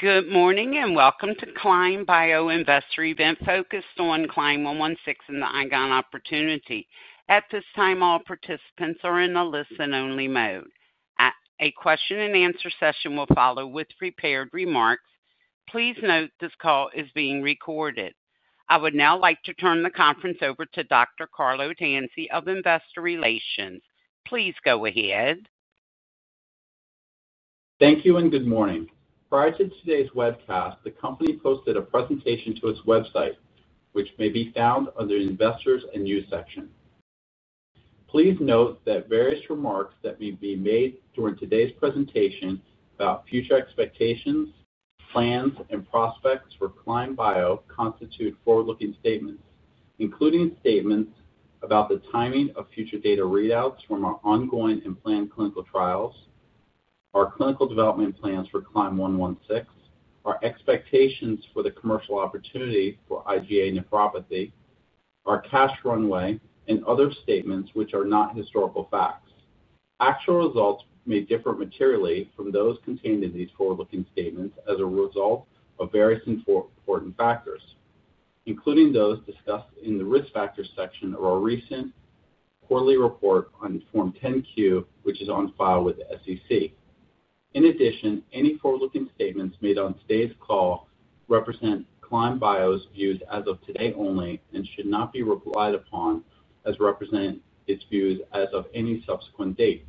Good morning and welcome to Climb Bio Investor Event focused on Climb 116 and the IgA nephropathy opportunity. At this time, all participants are in a listen-only mode. A question and answer session will follow with prepared remarks. Please note this call is being recorded. I would now like to turn the conference over to Dr. Carlo Danzi of Investor Relations. Please go ahead. Thank you and good morning. Prior to today's webcast, the company posted a presentation to its website, which may be found under the Investors and News section. Please note that various remarks that may be made during today's presentation about future expectations, plans, and prospects for Climb Bio constitute forward-looking statements, including statements about the timing of future data readouts from our ongoing and planned clinical trials, our clinical development plans for Climb 116, our expectations for the commercial opportunity for IgA nephropathy, our cash runway, and other statements which are not historical facts. Actual results may differ materially from those contained in these forward-looking statements as a result of various important factors, including those discussed in the Risk Factors section of our recent quarterly report on Form 10-Q, which is on file with the SEC. In addition, any forward-looking statements made on today's call represent Climb Bio's views as of today only and should not be relied upon as representing its views as of any subsequent date.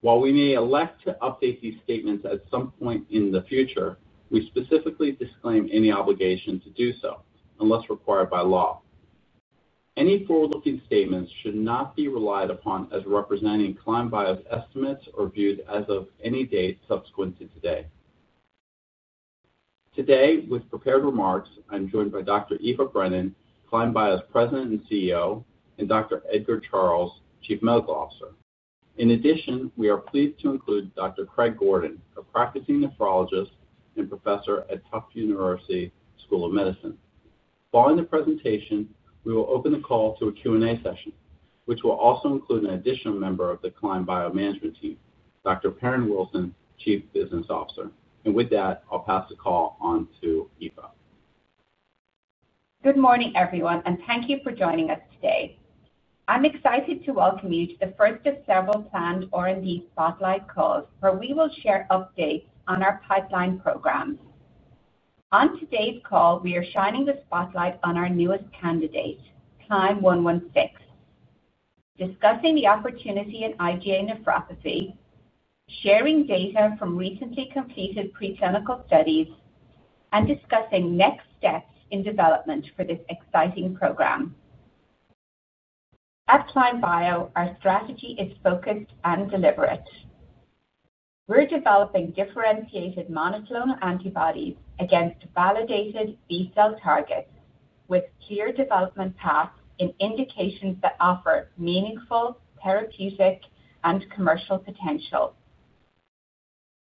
While we may elect to update these statements at some point in the future, we specifically disclaim any obligation to do so unless required by law. Any forward-looking statements should not be relied upon as representing Climb Bio's estimates or viewed as of any date subsequent to today. Today, with prepared remarks, I'm joined by Dr. Aoife Brennan, Climb Bio's President and CEO, and Dr. Edgar Charles, Chief Medical Officer. In addition, we are pleased to include Dr. Craig Gordon, a practicing nephrologist and professor at Tufts University School of Medicine. Following the presentation, we will open the call to a Q&A session, which will also include an additional member of the Climb Bio management team, Dr. Perrin Wilson, Chief Business Officer. With that, I'll pass the call on to Aoife. Good morning, everyone, and thank you for joining us today. I'm excited to welcome you to the first of several planned R&D spotlight calls where we will share updates on our pipeline programs. On today's call, we are shining the spotlight on our newest candidate, Climb 116, discussing the opportunity in IgA nephropathy, sharing data from recently completed preclinical studies, and discussing next steps in development for this exciting program. At Climb Bio, our strategy is focused and deliberate. We're developing differentiated monoclonal antibodies against validated B-cell targets with clear development paths and indications that offer meaningful therapeutic and commercial potential.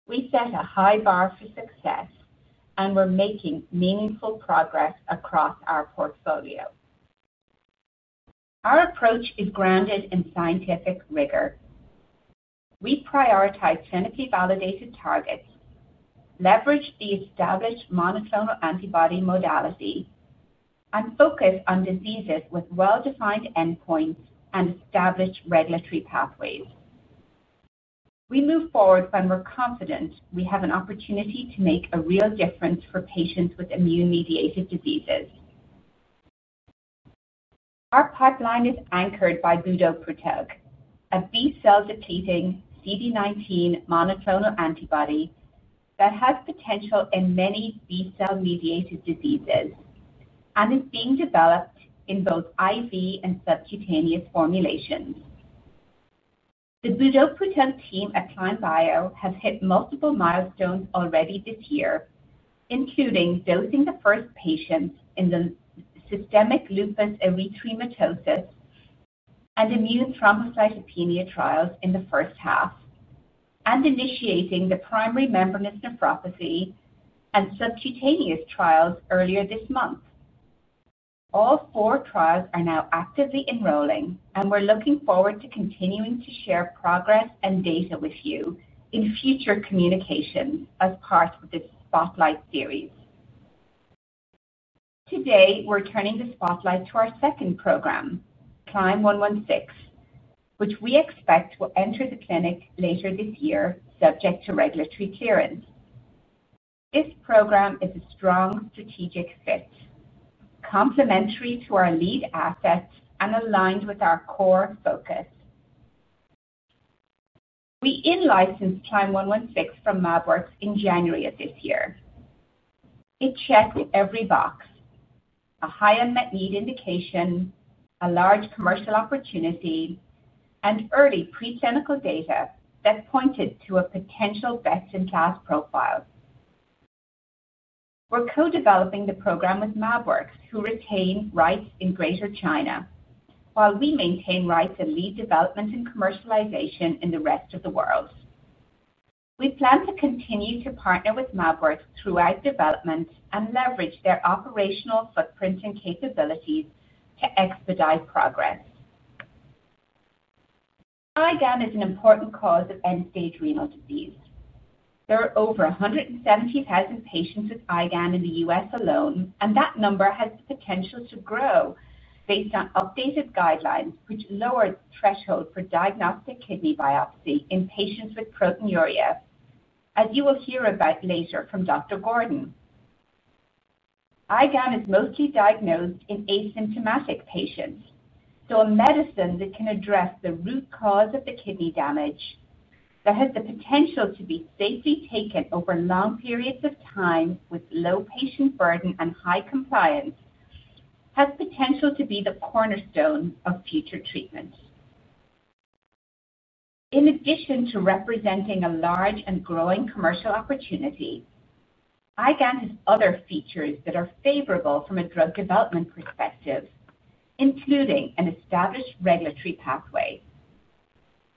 We set a high bar for success, and we're making meaningful progress across our portfolio. Our approach is grounded in scientific rigor. We prioritize clinically validated targets, leverage the established monoclonal antibody modality, and focus on diseases with well-defined endpoints and established regulatory pathways. We move forward when we're confident we have an opportunity to make a real difference for patients with immune-mediated diseases. Our pipeline is anchored by BDO PROTEG, a B-cell-depleting DD19 monoclonal antibody that has potential in many B-cell-mediated diseases and is being developed in both IV and subcutaneous formulations. The BDO PROTEG team at Climb Bio has hit multiple milestones already this year, including dosing the first patients in the systemic lupus erythematosus and immune thrombocytopenia trials in the first half and initiating the primary membranous nephropathy and subcutaneous trials earlier this month. All four trials are now actively enrolling, and we're looking forward to continuing to share progress and data with you in future communications as part of this spotlight series. Today, we're turning the spotlight to our second program, Climb 116, which we expect will enter the clinic later this year, subject to regulatory clearance. This program is a strong strategic fit, complementary to our lead assets and aligned with our core focus. We in-licensed Climb 116 from Mabwell in January of this year. It checked every box: a high unmet need indication, a large commercial opportunity, and early preclinical data that pointed to a potential best-in-class profile. We're co-developing the program with Mabwell, who retain rights in Greater China, while we maintain rights and lead development and commercialization in the rest of the world. We plan to continue to partner with Mabwell throughout development and leverage their operational footprints and capabilities to expedite progress. IgA nephropathy is an important cause of end-stage renal disease. There are over 170,000 patients with IgA nephropathy in the U.S. alone, and that number has the potential to grow based on updated guidelines, which lower the threshold for diagnostic kidney biopsy in patients with proteinuria, as you will hear about later from Dr. Gordon. IgA nephropathy is mostly diagnosed in asymptomatic patients, so a medicine that can address the root cause of the kidney damage that has the potential to be safely taken over long periods of time with low patient burden and high compliance has the potential to be the cornerstone of future treatments. In addition to representing a large and growing commercial opportunity, IgA nephropathy has other features that are favorable from a drug development perspective, including an established regulatory pathway.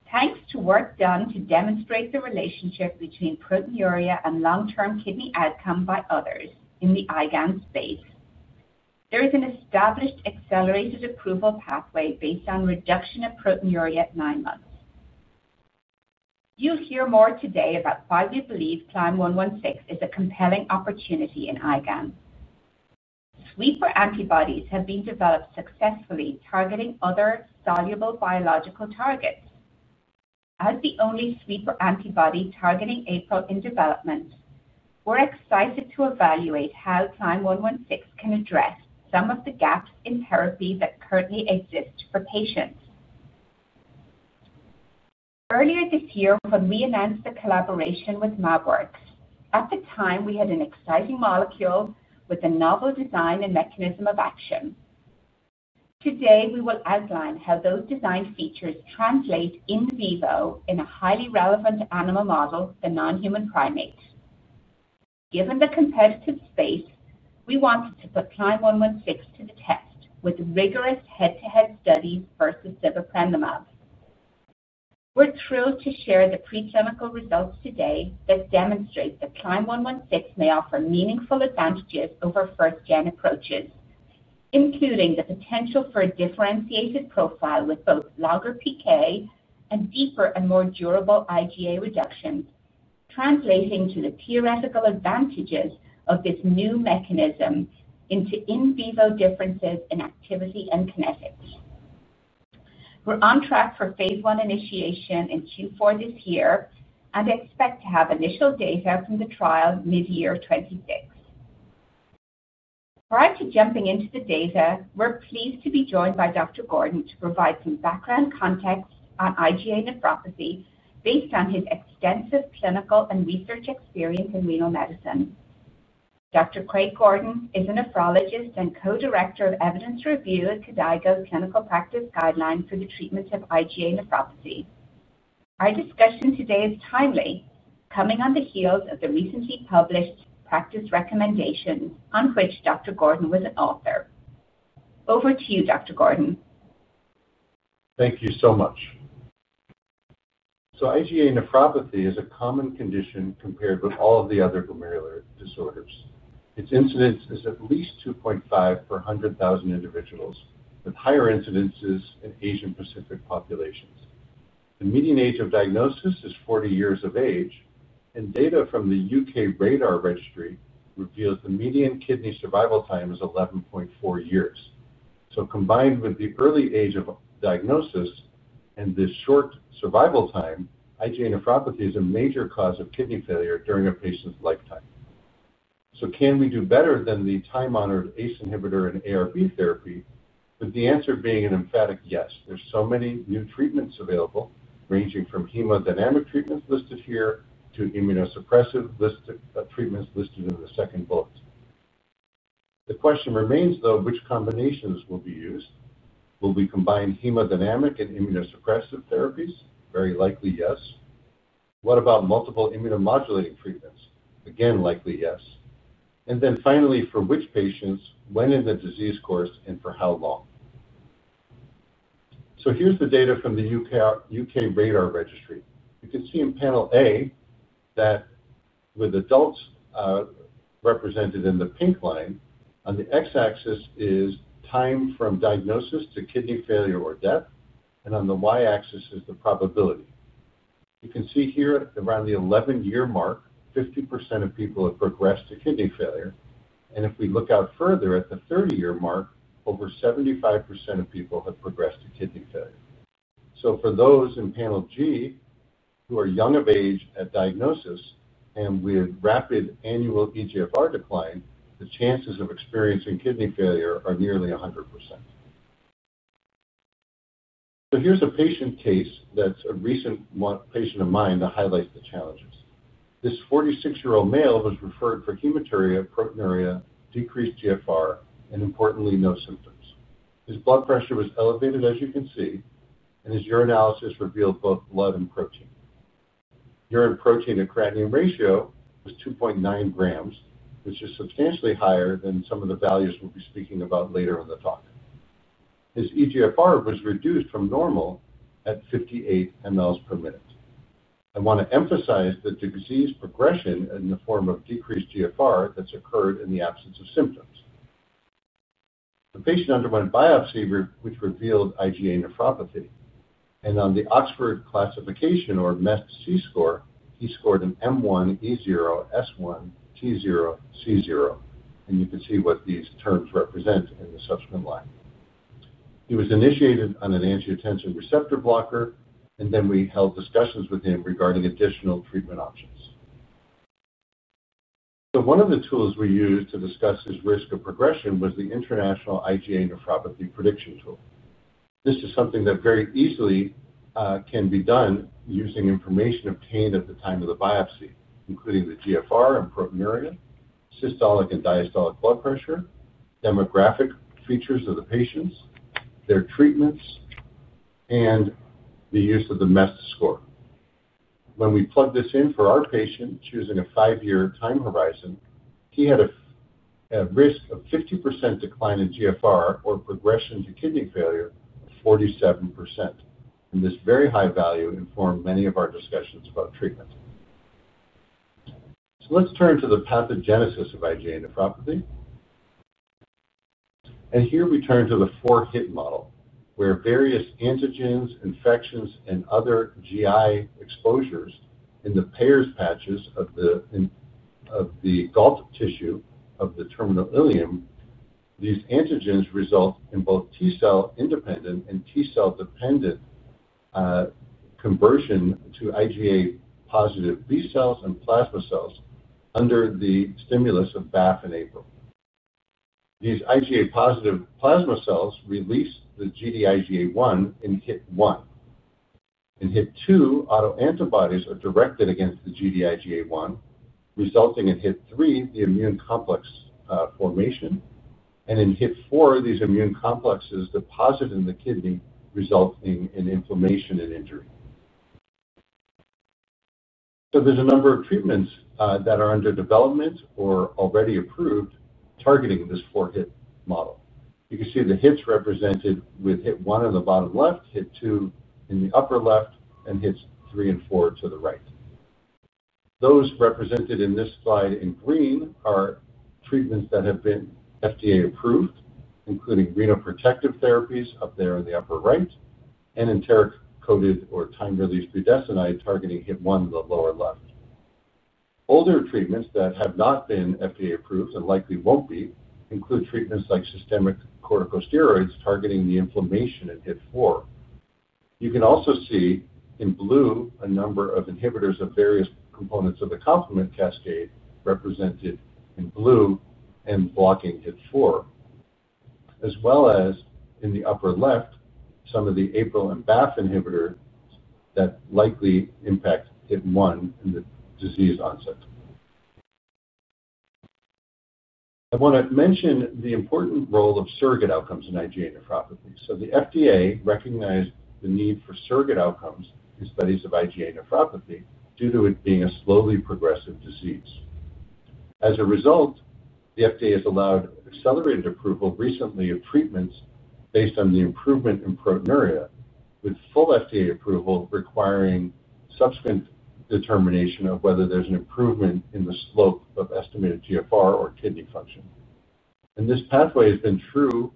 Thanks to work done to demonstrate the relationship between proteinuria and long-term kidney outcome by others in the IgA nephropathy space, there is an established accelerated approval pathway based on reduction of proteinuria at nine months. You'll hear more today about why we believe Climb 116 is a compelling opportunity in IgA nephropathy. Sweeper antibodies have been developed successfully, targeting other soluble biological targets. As the only sweeper antibody targeting APRIL in development, we're excited to evaluate how Climb 116 can address some of the gaps in therapy that currently exist for patients. Earlier this year, when we announced the collaboration with Mabwell, at the time, we had an exciting molecule with a novel design and mechanism of action. Today, we will outline how those design features translate in vivo in a highly relevant animal model in non-human primates. Given the competitive space, we want to put Climb 116 to the test with rigorous head-to-head studies versus the first-generation anti-APRIL monoclonal antibody. We're thrilled to share the preclinical results today that demonstrate that Climb 116 may offer meaningful advantages over first-generation approaches, including the potential for a differentiated profile with both longer PK and deeper and more durable IgA reductions, translating the theoretical advantages of this new mechanism into in vivo differences in activity and kinetics. We're on track for phase 1 initiation in Q4 this year and expect to have initial data from the trial mid-year 2026. Prior to jumping into the data, we're pleased to be joined by Dr. Gordon to provide some background context on IgA nephropathy based on his extensive clinical and research experience in renal medicine. Dr. Craig Gordon is a nephrologist and Co-Director of Evidence Review at the KDIGO Clinical Practice Guidelines for the Treatment of IgA Nephropathy. Our discussion today is timely, coming on the heels of the recently published practice recommendation on which Dr. Gordon was an author. Over to you, Dr. Gordon. Thank you so much. IgA nephropathy is a common condition compared with all of the other glomerular disorders. Its incidence is at least 2.5 per 100,000 individuals, with higher incidences in Asian-Pacific populations. The median age of diagnosis is 40 years of age, and data from the UK Radar Registry revealed the median kidney survival time is 11.4 years. Combined with the early age of diagnosis and this short survival time, IgA nephropathy is a major cause of kidney failure during a patient's lifetime. Can we do better than the time-honored ACE inhibitor and ARB therapy? With the answer being an emphatic yes, there are so many new treatments available, ranging from hemodynamic treatments listed here to immunosuppressive treatments listed in the second bullet. The question remains, though, which combinations will be used? Will we combine hemodynamic and immunosuppressive therapies? Very likely yes. What about multiple immunomodulating treatments? Again, likely yes. Finally, for which patients, when in the disease course, and for how long? Here is the data from the UK Radar Registry. You can see in panel A that with adults represented in the pink line, on the x-axis is time from diagnosis to kidney failure or death, and on the y-axis is the probability. You can see here around the 11-year mark, 50% of people have progressed to kidney failure. If we look out further at the 30-year mark, over 75% of people have progressed to kidney failure. For those in panel G who are young of age at diagnosis and with rapid annual EGFR decline, the chances of experiencing kidney failure are nearly 100%. Here is a patient case that's a recent patient of mine that highlights the challenges. This 46-year-old male was referred for hematuria, proteinuria, decreased GFR, and importantly, no symptoms. His blood pressure was elevated, as you can see, and his urinalysis revealed both blood and protein. Urine protein to creatinine ratio was 2.9 grams, which is substantially higher than some of the values we'll be speaking about later in the talk. His EGFR was reduced from normal at 58 mL per minute. I want to emphasize that the disease progression in the form of decreased GFR that's occurred in the absence of symptoms. The patient underwent biopsy, which revealed IgA nephropathy. On the Oxford classification or MET C-score, he scored an M1 E0 S1 T0 C0, and you can see what these terms represent in the subsequent line. He was initiated on an angiotensin receptor blocker, and then we held discussions with him regarding additional treatment options. One of the tools we used to discuss his risk of progression was the International IgA Nephropathy Prediction Tool. This is something that very easily can be done using information obtained at the time of the biopsy, including the GFR and proteinuria, systolic and diastolic blood pressure, demographic features of the patients, their treatments, and the use of the MET score. When we plugged this in for our patient, choosing a five-year time horizon, he had a risk of 50% decline in GFR or progression to kidney failure, 47%. This very high value informed many of our discussions about treatment. Let's turn to the pathogenesis of IgA nephropathy. Here we turn to the 4-HIT model, where various antigens, infections, and other GI exposures in the Peyer's patches of the gut tissue of the terminal ileum, these antigens result in both T-cell independent and T-cell dependent conversion to IgA positive B cells and plasma cells under the stimulus of BAFF and APRIL. These IgA positive plasma cells release the Gd-IgA1 in HIT 1. In HIT 2, autoantibodies are directed against the Gd-IgA1, resulting in HIT 3, the immune complex formation. In HIT 4, these immune complexes deposit in the kidney, resulting in inflammation and injury. There are a number of treatments that are under development or already approved targeting this 4-HIT model. You can see the HITs represented with HIT 1 on the bottom left, HIT 2 in the upper left, and HIT 3 and 4 to the right. Those represented in this slide in green are treatments that have been FDA approved, including renoprotective therapies up there in the upper right and enteric-coated or time-released budesonide targeting HIT 1 in the lower left. Older treatments that have not been FDA approved and likely won't be include treatments like systemic corticosteroids targeting the inflammation in HIT 4. You can also see in blue a number of inhibitors of various components of the complement cascade represented in blue and blocking HIT 4, as well as in the upper left, some of the anti-APRIL and BAFF inhibitors that likely impact HIT 1 in the disease onset. I want to mention the important role of surrogate outcomes in IgA nephropathy. The FDA recognized the need for surrogate outcomes in studies of IgA nephropathy due to it being a slowly progressive disease. As a result, the FDA has allowed accelerated approval recently of treatments based on the improvement in proteinuria, with full FDA approval requiring subsequent determination of whether there's an improvement in the slope of estimated GFR or kidney function. This pathway has been true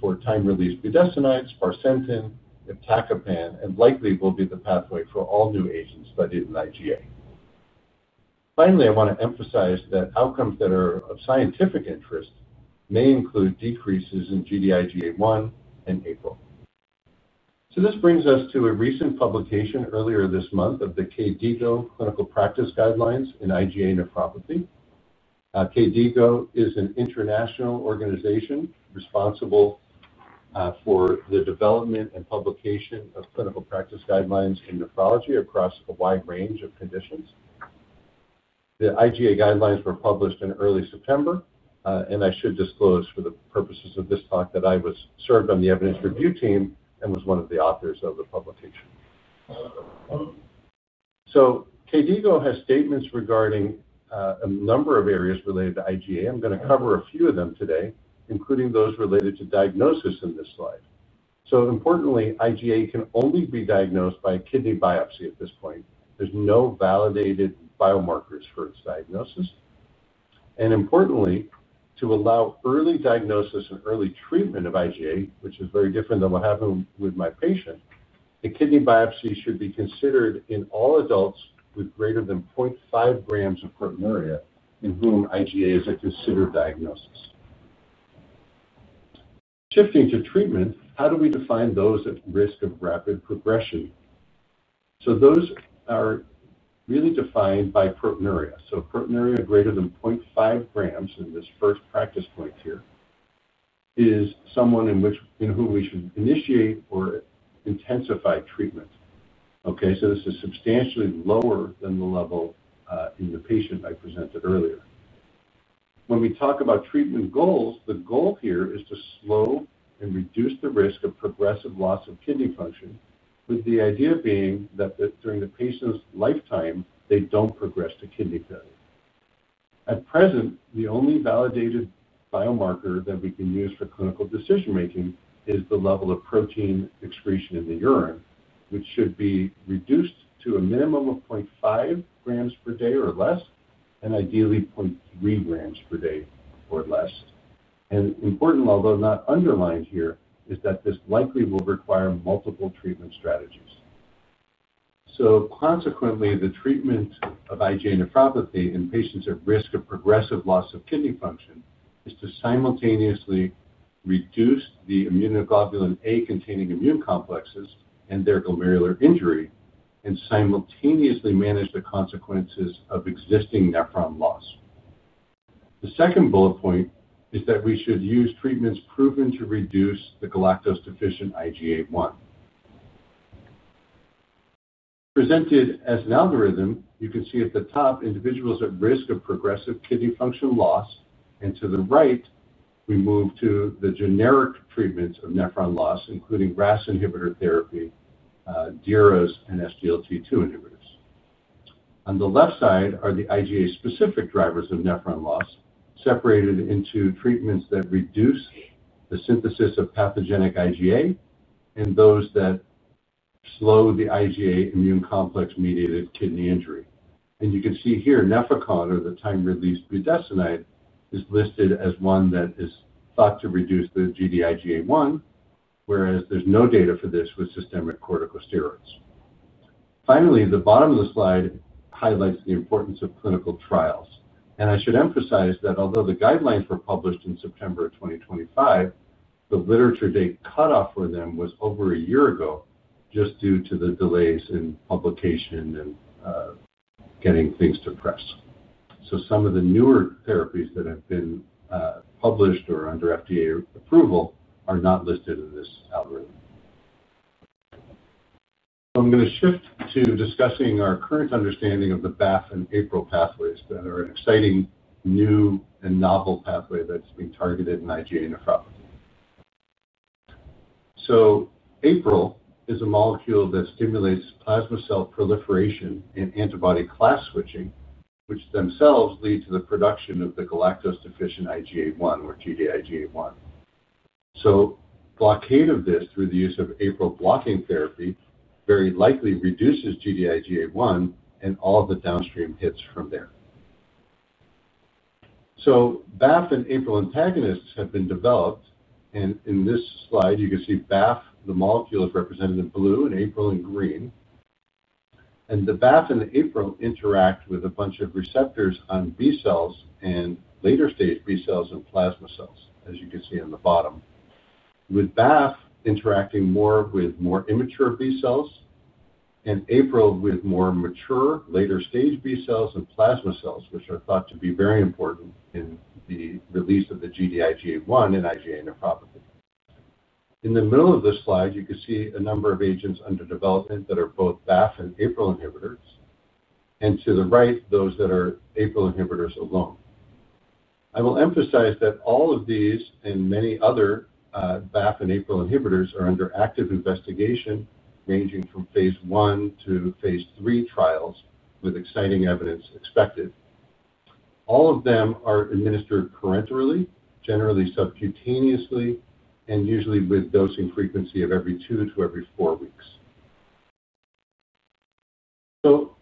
for time-released budesonides, barcentin, and lifelong apixaban, and likely will be the pathway for all new agents studied in IgA. Finally, I want to emphasize that outcomes that are of scientific interest may include decreases in GDIGA1 and APOB. This brings us to a recent publication earlier this month of the KDIGO clinical practice guidelines in IgA nephropathy. KDIGO is an international organization responsible for the development and publication of clinical practice guidelines in nephrology across a wide range of conditions. The IgA guidelines were published in early September, and I should disclose for the purposes of this talk that I served on the Evidence Review team and was one of the authors of the publication. KDIGO has statements regarding a number of areas related to IgA. I'm going to cover a few of them today, including those related to diagnosis in this slide. Importantly, IgA can only be diagnosed by a kidney biopsy at this point. There's no validated biomarkers for its diagnosis. Importantly, to allow early diagnosis and early treatment of IgA, which is very different than what happened with my patient, a kidney biopsy should be considered in all adults with greater than 0.5 grams of proteinuria in whom IgA is a considered diagnosis. Shifting to treatment, how do we define those at risk of rapid progression? Those are really defined by proteinuria. Proteinuria greater than 0.5 grams in this first practice point here is someone in whom we can initiate or intensify treatment. This is substantially lower than the level in the patient I presented earlier. When we talk about treatment goals, the goal here is to slow and reduce the risk of progressive loss of kidney function, with the idea being that during the patient's lifetime, they don't progress to kidney failure. At present, the only validated biomarker that we can use for clinical decision-making is the level of protein excretion in the urine, which should be reduced to a minimum of 0.5 grams per day or less, and ideally 0.3 grams per day or less. Important, although not underlined here, is that this likely will require multiple treatment strategies. Consequently, the treatment of IgA nephropathy in patients at risk of progressive loss of kidney function is to simultaneously reduce the immunoglobulin A-containing immune complexes and their glomerular injury and simultaneously manage the consequences of existing nephron loss. The second bullet point is that we should use treatments proven to reduce the galactose-deficient IgA1. Presented as an algorithm, you can see at the top individuals at risk of progressive kidney function loss, and to the right, we move to the generic treatments of nephron loss, including RAS inhibitor therapy, DRAS, and SGLT2 inhibitors. On the left side are the IgA-specific drivers of nephron loss, separated into treatments that reduce the synthesis of pathogenic IgA and those that slow the IgA immune complex-mediated kidney injury. You can see here Nefacon, or the time-released budesonide, is listed as one that is thought to reduce the GDIgA1, whereas there's no data for this with systemic corticosteroids. Finally, the bottom of the slide highlights the importance of clinical trials. I should emphasize that although the guidelines were published in September of 2025, the literature date cutoff for them was over a year ago, just due to the delays in publication and getting things to press. Some of the newer therapies that have been published or are under FDA approval are not listed in this algorithm. I'm going to shift to discussing our current understanding of the BAFF and APRIL pathways that are an exciting new and novel pathway that's being targeted in IgA nephropathy. APRIL is a molecule that stimulates plasma cell proliferation and antibody class switching, which themselves lead to the production of the galactose-deficient IgA1, or GDIgA1. Blockade of this through the use of APRIL blocking therapy very likely reduces GDIgA1 and all the downstream hits from there. BAFF and APRIL antagonists have been developed, and in this slide, you can see BAFF, the molecule, is represented in blue and APRIL in green. The BAFF and the APRIL interact with a bunch of receptors on B cells and later-stage B cells and plasma cells, as you can see on the bottom. BAFF interacts more with more immature B cells and APRIL with more mature, later-stage B cells and plasma cells, which are thought to be very important in the release of the GDIgA1 in IgA nephropathy. In the middle of the slide, you can see a number of agents under development that are both BAF and APRIL inhibitors, and to the right, those that are APRIL inhibitors alone. I will emphasize that all of these and many other BAF and APRIL inhibitors are under active investigation, ranging from phase 1 to phase 3 trials, with exciting evidence expected. All of them are administered parenterally, generally subcutaneously, and usually with dosing frequency of every two to every four weeks.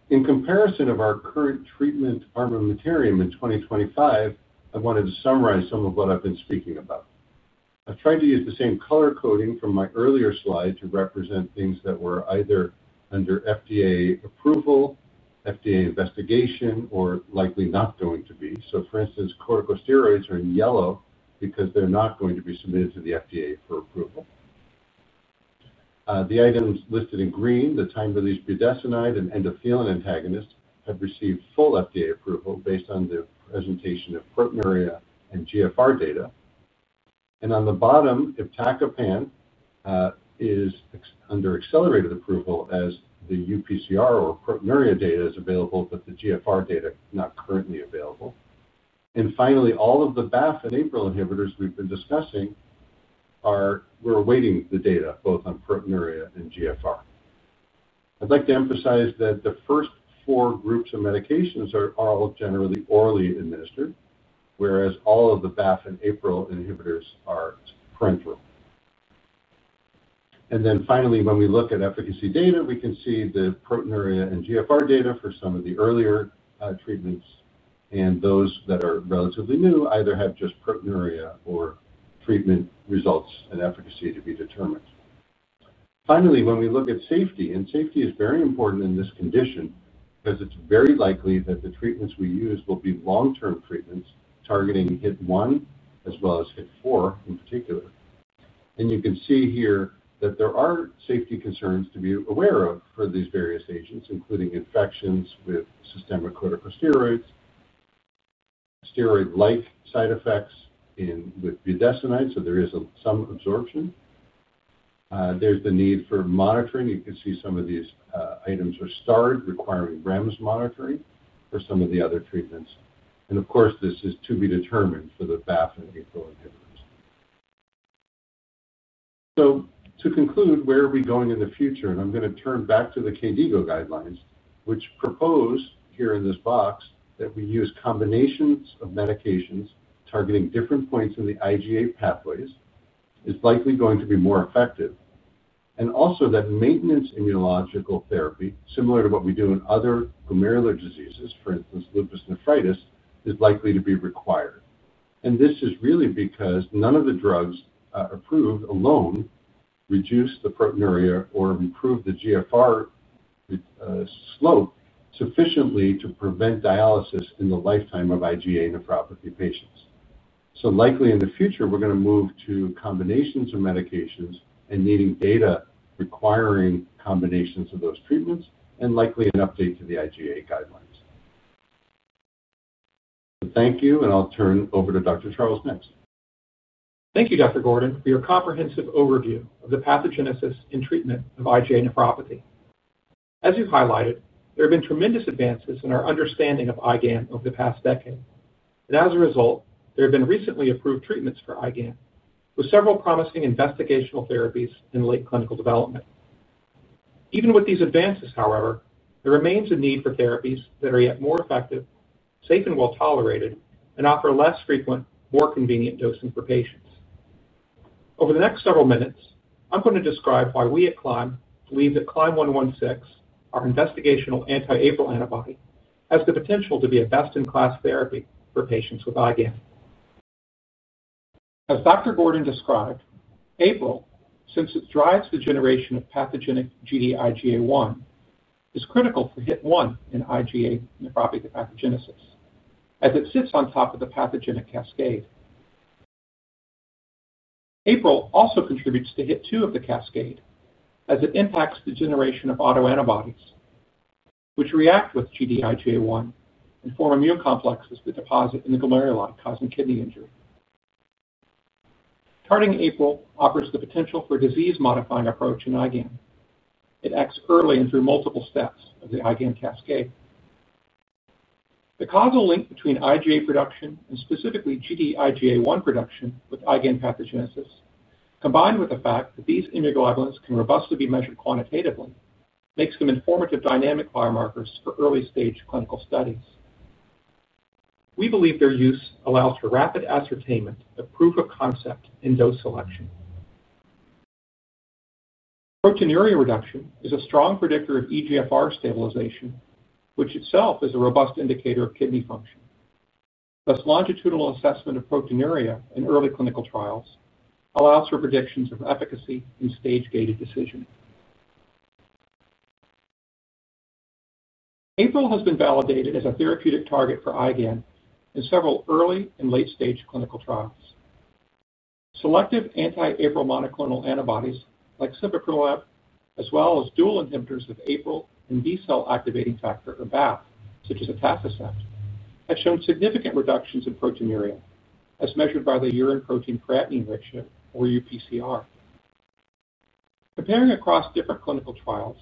In comparison of our current treatment armamentarium in 2025, I wanted to summarize some of what I've been speaking about. I've tried to use the same color coding from my earlier slide to represent things that were either under FDA approval, FDA investigation, or likely not going to be. For instance, corticosteroids are in yellow because they're not going to be submitted to the FDA for approval. The items listed in green, the time-released budesonide and endothelin antagonists, have received full FDA approval based on the presentation of proteinuria and GFR data. On the bottom, apixaban is under accelerated approval as the UPCR or proteinuria data is available, but the GFR data is not currently available. Finally, all of the BAF and APRIL inhibitors we've been discussing are awaiting the data, both on proteinuria and GFR. I'd like to emphasize that the first four groups of medications are all generally orally administered, whereas all of the BAF and APRIL inhibitors are parenteral. When we look at efficacy data, we can see the proteinuria and GFR data for some of the earlier treatments, and those that are relatively new either have just proteinuria or treatment results and efficacy to be determined. Finally, when we look at safety, and safety is very important in this condition, as it's very likely that the treatments we use will be long-term treatments targeting HIT 1 as well as HIT 4 in particular. You can see here that there are safety concerns to be aware of for these various agents, including infections with systemic corticosteroids, steroid-like side effects with budesonide, so there is some absorption. There's the need for monitoring. You can see some of these items are starred, requiring REMS monitoring for some of the other treatments. This is to be determined for the BAF and APRIL inhibitors. To conclude, where are we going in the future? I am going to turn back to the KDIGO clinical practice guidelines, which propose here in this box that we use combinations of medications targeting different points in the IgA pathways. It is likely going to be more effective. Also, maintenance immunological therapy, similar to what we do in other glomerular diseases, for instance, lupus nephritis, is likely to be required. This is really because none of the drugs approved alone reduce the proteinuria or improve the GFR slope sufficiently to prevent dialysis in the lifetime of IgA nephropathy patients. Likely in the future, we are going to move to combinations of medications and needing data requiring combinations of those treatments and likely an update to the IgA guidelines. Thank you, I will turn over to Dr. Charles next. Thank you, Dr. Gordon, for your comprehensive overview of the pathogenesis and treatment of IgA nephropathy. As you've highlighted, there have been tremendous advances in our understanding of IGAN over the past decade. As a result, there have been recently approved treatments for IGAN, with several promising investigational therapies in late clinical development. Even with these advances, however, there remains a need for therapies that are yet more effective, safe, and well-tolerated, and offer less frequent, more convenient dosing for patients. Over the next several minutes, I'm going to describe why we at Climb Bio believe that Climb 116, our investigational anti-APRIL antibody, has the potential to be a best-in-class therapy for patients with IGAN. As Dr. Gordon described, APRIL, since it drives the generation of pathogenic Gd-IgA1, is critical for hit 1 in IgA nephropathy pathogenesis, as it sits on top of the pathogenic cascade. APRIL also contributes to hit 2 of the cascade, as it impacts the generation of autoantibodies, which react with Gd-IgA1 and form immune complexes that deposit in the glomeruli causing kidney injury. Targeting APRIL offers the potential for a disease-modifying approach in IGAN. It acts early and through multiple steps of the IGAN cascade. The causal link between IgA production and specifically Gd-IgA1 production with IGAN pathogenesis, combined with the fact that these immunoglobulins can robustly be measured quantitatively, makes them informative dynamic biomarkers for early-stage clinical studies. We believe their use allows for rapid ascertainment of proof of concept in dose selection. Proteinuria reduction is a strong predictor of eGFR stabilization, which itself is a robust indicator of kidney function. Thus, longitudinal assessment of proteinuria in early clinical trials allows for predictions of efficacy in stage-gated decision. APRIL has been validated as a therapeutic target for IGAN in several early and late-stage clinical trials. Selective anti-APRIL monoclonal antibodies like sibecrilimumab, as well as dual inhibitors of APRIL and B-cell activating factor or BAFF, such as etafazept, have shown significant reductions in proteinuria, as measured by the urine protein creatinine ratio, or UPCR. Comparing across different clinical trials,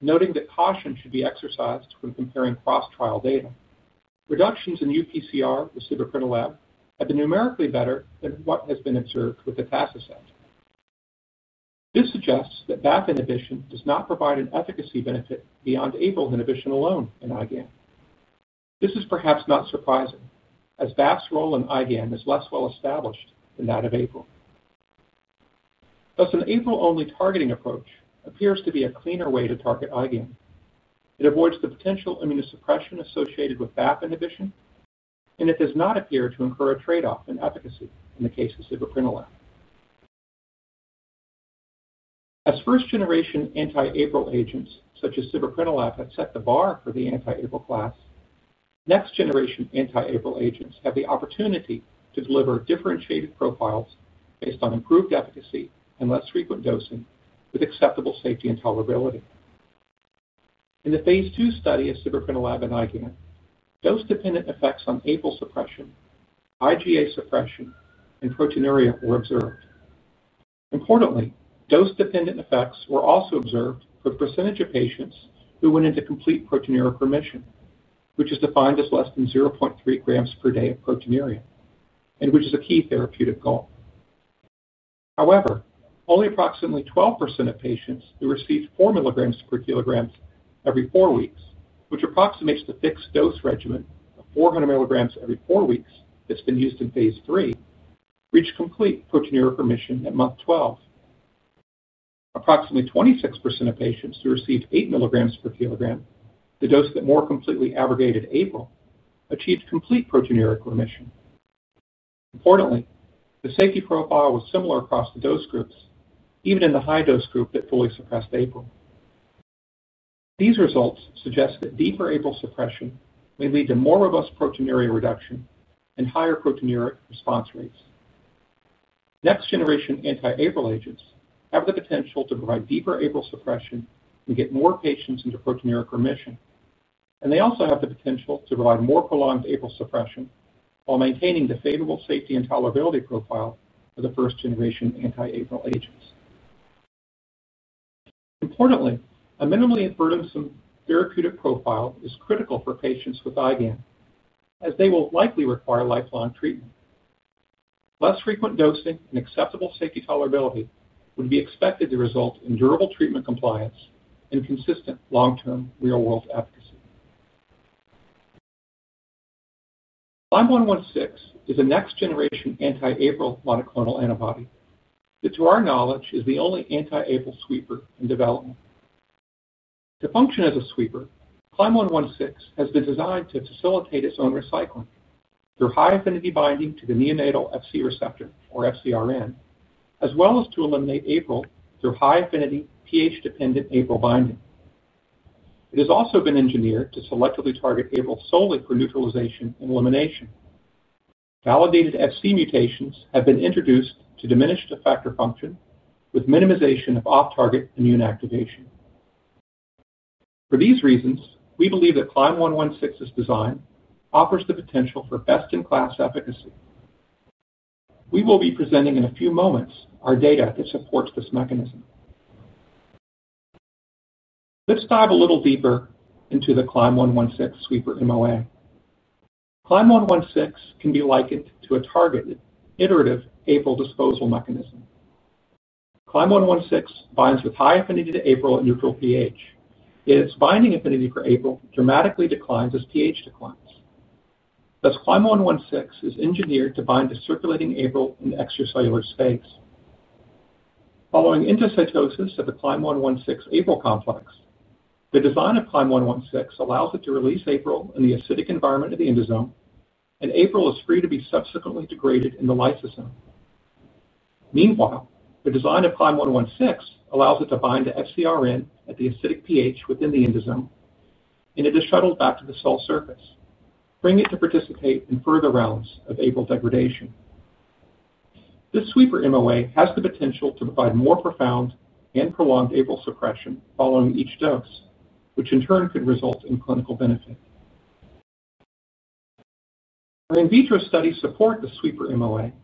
noting that caution should be exercised when comparing cross-trial data, reductions in UPCR with sibecrilimumab have been numerically better than what has been observed with etafazept. This suggests that BAF inhibition does not provide an efficacy benefit beyond APRIL inhibition alone in IgA nephropathy. This is perhaps not surprising, as BAF's role in IgA nephropathy is less well established than that of APRIL. Thus, an APRIL-only targeting approach appears to be a cleaner way to target IgA nephropathy. It avoids the potential immunosuppression associated with BAF inhibition, and it does not appear to incur a trade-off in efficacy in the case of sibecrilimumab. As first-generation anti-APRIL agents such as sibecrilimumab have set the bar for the anti-APRIL class, next-generation anti-APRIL agents have the opportunity to deliver differentiated profiles based on improved efficacy and less frequent dosing with acceptable safety and tolerability. In the phase 2 study of sibecrilimumab and IgA nephropathy, dose-dependent effects on APRIL suppression, IgA suppression, and proteinuria were observed. Importantly, dose-dependent effects were also observed for the percentage of patients who went into complete proteinuric remission, which is defined as less than 0.3 grams per day of proteinuria, and which is a key therapeutic goal. However, only approximately 12% of patients who received 4 mg/kg every four weeks, which approximates the fixed dose regimen of 400 mg every four weeks that's been used in phase 3, reached complete proteinuric remission at month 12. Approximately 26% of patients who received 8 mg/kg, the dose that more completely aggregated APRIL, achieved complete proteinuric remission. Importantly, the safety profile was similar across the dose groups, even in the high dose group that fully suppressed APRIL. These results suggest that deeper APRIL suppression may lead to more robust proteinuria reduction and higher proteinuric response rates. Next-generation anti-APRIL agents have the potential to provide deeper APRIL suppression and get more patients into proteinuric remission, and they also have the potential to provide more prolonged APRIL suppression while maintaining the favorable safety and tolerability profile of the first-generation anti-APRIL agents. Importantly, a minimally adverse therapeutic profile is critical for patients with IgA nephropathy, as they will likely require lifelong treatment. Less frequent dosing and acceptable safety tolerability would be expected to result in durable treatment compliance and consistent long-term real-world efficacy. Climb 116 is a next-generation anti-APRIL monoclonal antibody that, to our knowledge, is the only anti-APRIL sweeper in development. To function as a sweeper, Climb 116 has been designed to facilitate its own recycling through high-affinity binding to the neonatal Fc receptor, or FCRN, as well as to eliminate APRIL through high-affinity pH-dependent APRIL binding. It has also been engineered to selectively target APRIL solely for neutralization and elimination. Validated Fc mutations have been introduced to diminish the effector function with minimization of off-target immune activation. For these reasons, we believe that Climb 116's design offers the potential for best-in-class efficacy. We will be presenting in a few moments our data that supports this mechanism. Let's dive a little deeper into the Climb 116 sweeper mechanism of action. Climb 116 can be likened to a targeted iterative APRIL disposal mechanism. Climb 116 binds with high affinity to APRIL at neutral pH. Its binding affinity for APRIL dramatically declines as pH declines. Thus, Climb 116 is engineered to bind to circulating APRIL in extracellular space. Following endocytosis of the Climb 116 APRIL complex, the design of Climb 116 allows it to release APRIL in the acidic environment of the endosome, and APRIL is free to be subsequently degraded in the lysosome. Meanwhile, the design of Climb 116 allows it to bind to FCRN at the acidic pH within the endosome, and it is shuttled back to the cell surface, freeing it to participate in further rounds of APRIL degradation. This sweeper mechanism of action has the potential to provide more profound and prolonged APRIL suppression following each dose, which in turn could result in clinical benefit. An in vitro study supports the sweeper mechanism of action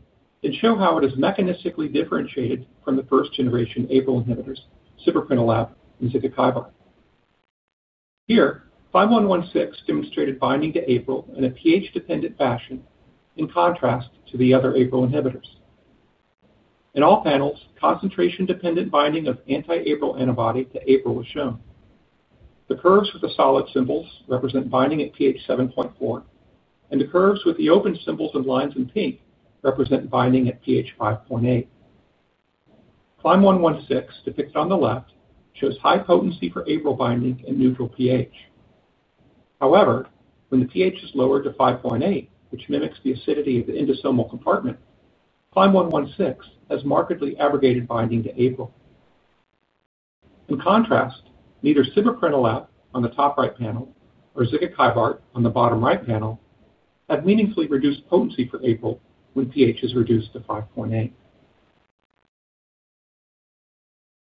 and shows how it is mechanistically differentiated from the first-generation APRIL inhibitors, sibecrilimumab and zikaglibin. Here, Climb 116 demonstrated binding to APRIL in a pH-dependent fashion in contrast to the other APRIL inhibitors. In all panels, concentration-dependent binding of anti-APRIL antibody to APRIL was shown. The curves with the solid symbols represent binding at pH 7.4, and the curves with the open symbols or lines in pink represent binding at pH 5.8. Climb 116, depicted on the left, shows high potency for APRIL binding in neutral pH. However, when the pH is lowered to 5.8, which mimics the acidity of the endosomal compartment, Climb 116 has markedly abrogated binding to APRIL. In contrast, neither sibecrilimumab on the top right panel nor zikaglibin on the bottom right panel have meaningfully reduced potency for APRIL when pH is reduced to 5.8.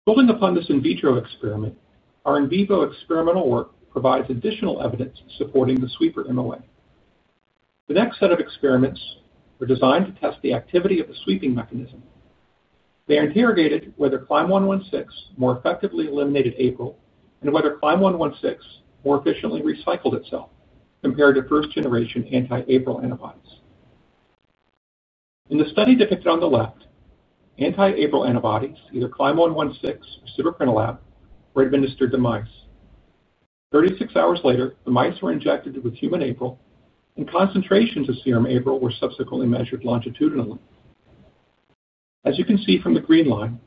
Building upon this in vitro experiment, our in vivo experimental work provides additional evidence supporting the sweeper mechanism of action. The next set of experiments were designed to test the activity of the sweeping mechanism. They interrogated whether Climb 116 more effectively eliminated APRIL and whether Climb 116 more efficiently recycled itself compared to first-generation anti-APRIL antibodies. In the study depicted on the left, anti-APRIL antibodies, either Climb 116 or sibecrilimumab, were administered to mice. Thirty-six hours later, the mice were injected with human APRIL, and concentrations of serum APRIL were subsequently measured longitudinally. As you can see from the green line,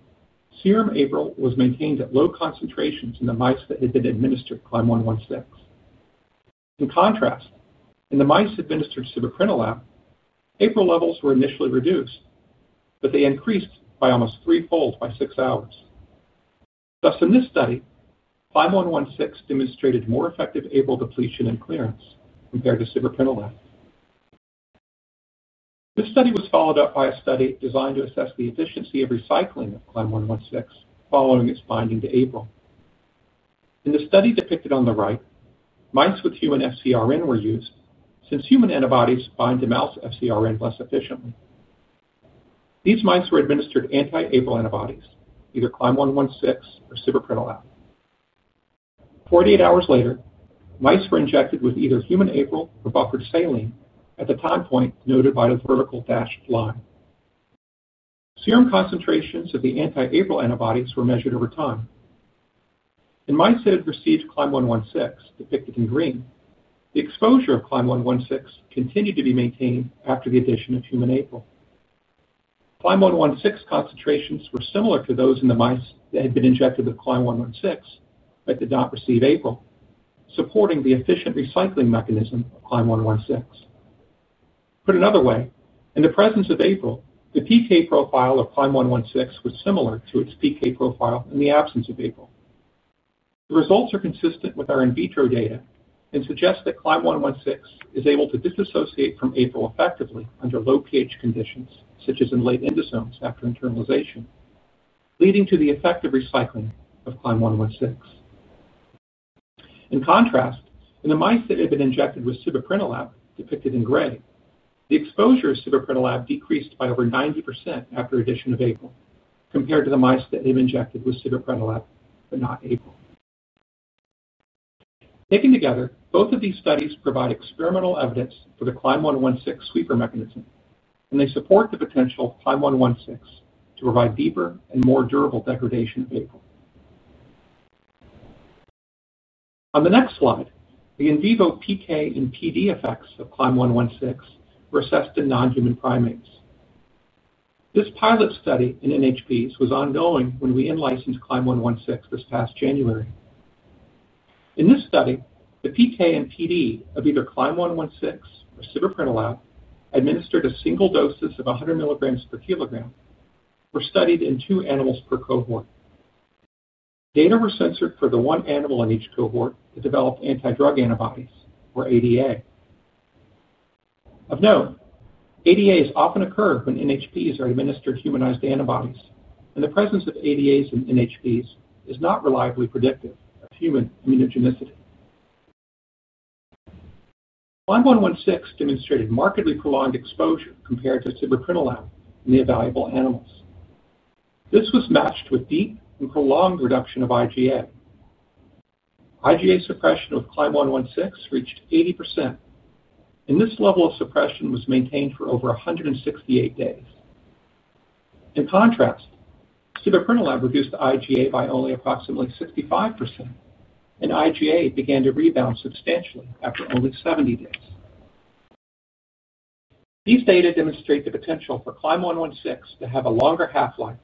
serum APRIL was maintained at low concentrations in the mice that had been administered Climb 116. In contrast, in the mice administered sibecrilimumab, APRIL levels were initially reduced, but they increased by almost threefold by six hours. Thus, in this study, Climb 116 demonstrated more effective APRIL depletion and clearance compared to sibecrilimumab. This study was followed up by a study designed to assess the efficiency of recycling of Climb 116 following its binding to APRIL. In the study depicted on the right, mice with human FCRN were used since human antibodies bind to mouse FCRN less efficiently. These mice were administered anti-APRIL antibodies, either Climb 116 or sibecrilimumab. Forty-eight hours later, mice were injected with either human APRIL or buffered saline at the time point noted by the vertical dashed line. Serum concentrations of the anti-APRIL antibodies were measured over time. In mice that had received Climb 116, depicted in green, the exposure of Climb 116 continued to be maintained after the addition of human APRIL. Climb 116 concentrations were similar to those in the mice that had been injected with Climb 116 but did not receive APRIL, supporting the efficient recycling mechanism of Climb 116. Put another way, in the presence of APRIL, the PK profile of Climb 116 was similar to its PK profile in the absence of APRIL. The results are consistent with our in vitro data and suggest that Climb 116 is able to dissociate from APRIL effectively under low pH conditions, such as in late endosomes after internalization, leading to the effective recycling of Climb 116. In contrast, in the mice that had been injected with sibecrilimumab, depicted in gray, the exposure of sibecrilimumab decreased by over 90% after the addition of APRIL compared to the mice that had been injected with sibecrilimumab but not APRIL. Taken together, both of these studies provide experimental evidence for the Climb 116 sweeper mechanism, and they support the potential of Climb 116 to provide deeper and more durable degradation of APRIL. On the next slide, the in vivo PK and PD effects of Climb 116 were assessed in non-human primates. This pilot study in NHBs was ongoing when we in-licensed Climb 116 this past January. In this study, the PK and PD of either Climb 116 or sibecrilimumab administered as a single dose of 100 mg/kg were studied in two animals per cohort. Data were censored for the one animal in each cohort to develop antidrug antibodies, or ADA. Of note, ADA often occurs when NHBs are administered humanized antibodies, and the presence of ADAs in NHBs is not reliably predictive of human immunogenicity. Climb 116 demonstrated markedly prolonged exposure compared to sibecrilimumab in the evaluable animals. This was matched to a deep and prolonged reduction of IgA. IgA suppression with Climb 116 reached 80%, and this level of suppression was maintained for over 168 days. In contrast, sibecrilimumab reduced the IgA by only approximately 65%, and IgA began to rebound substantially after only 70 days. These data demonstrate the potential for Climb 116 to have a longer half-life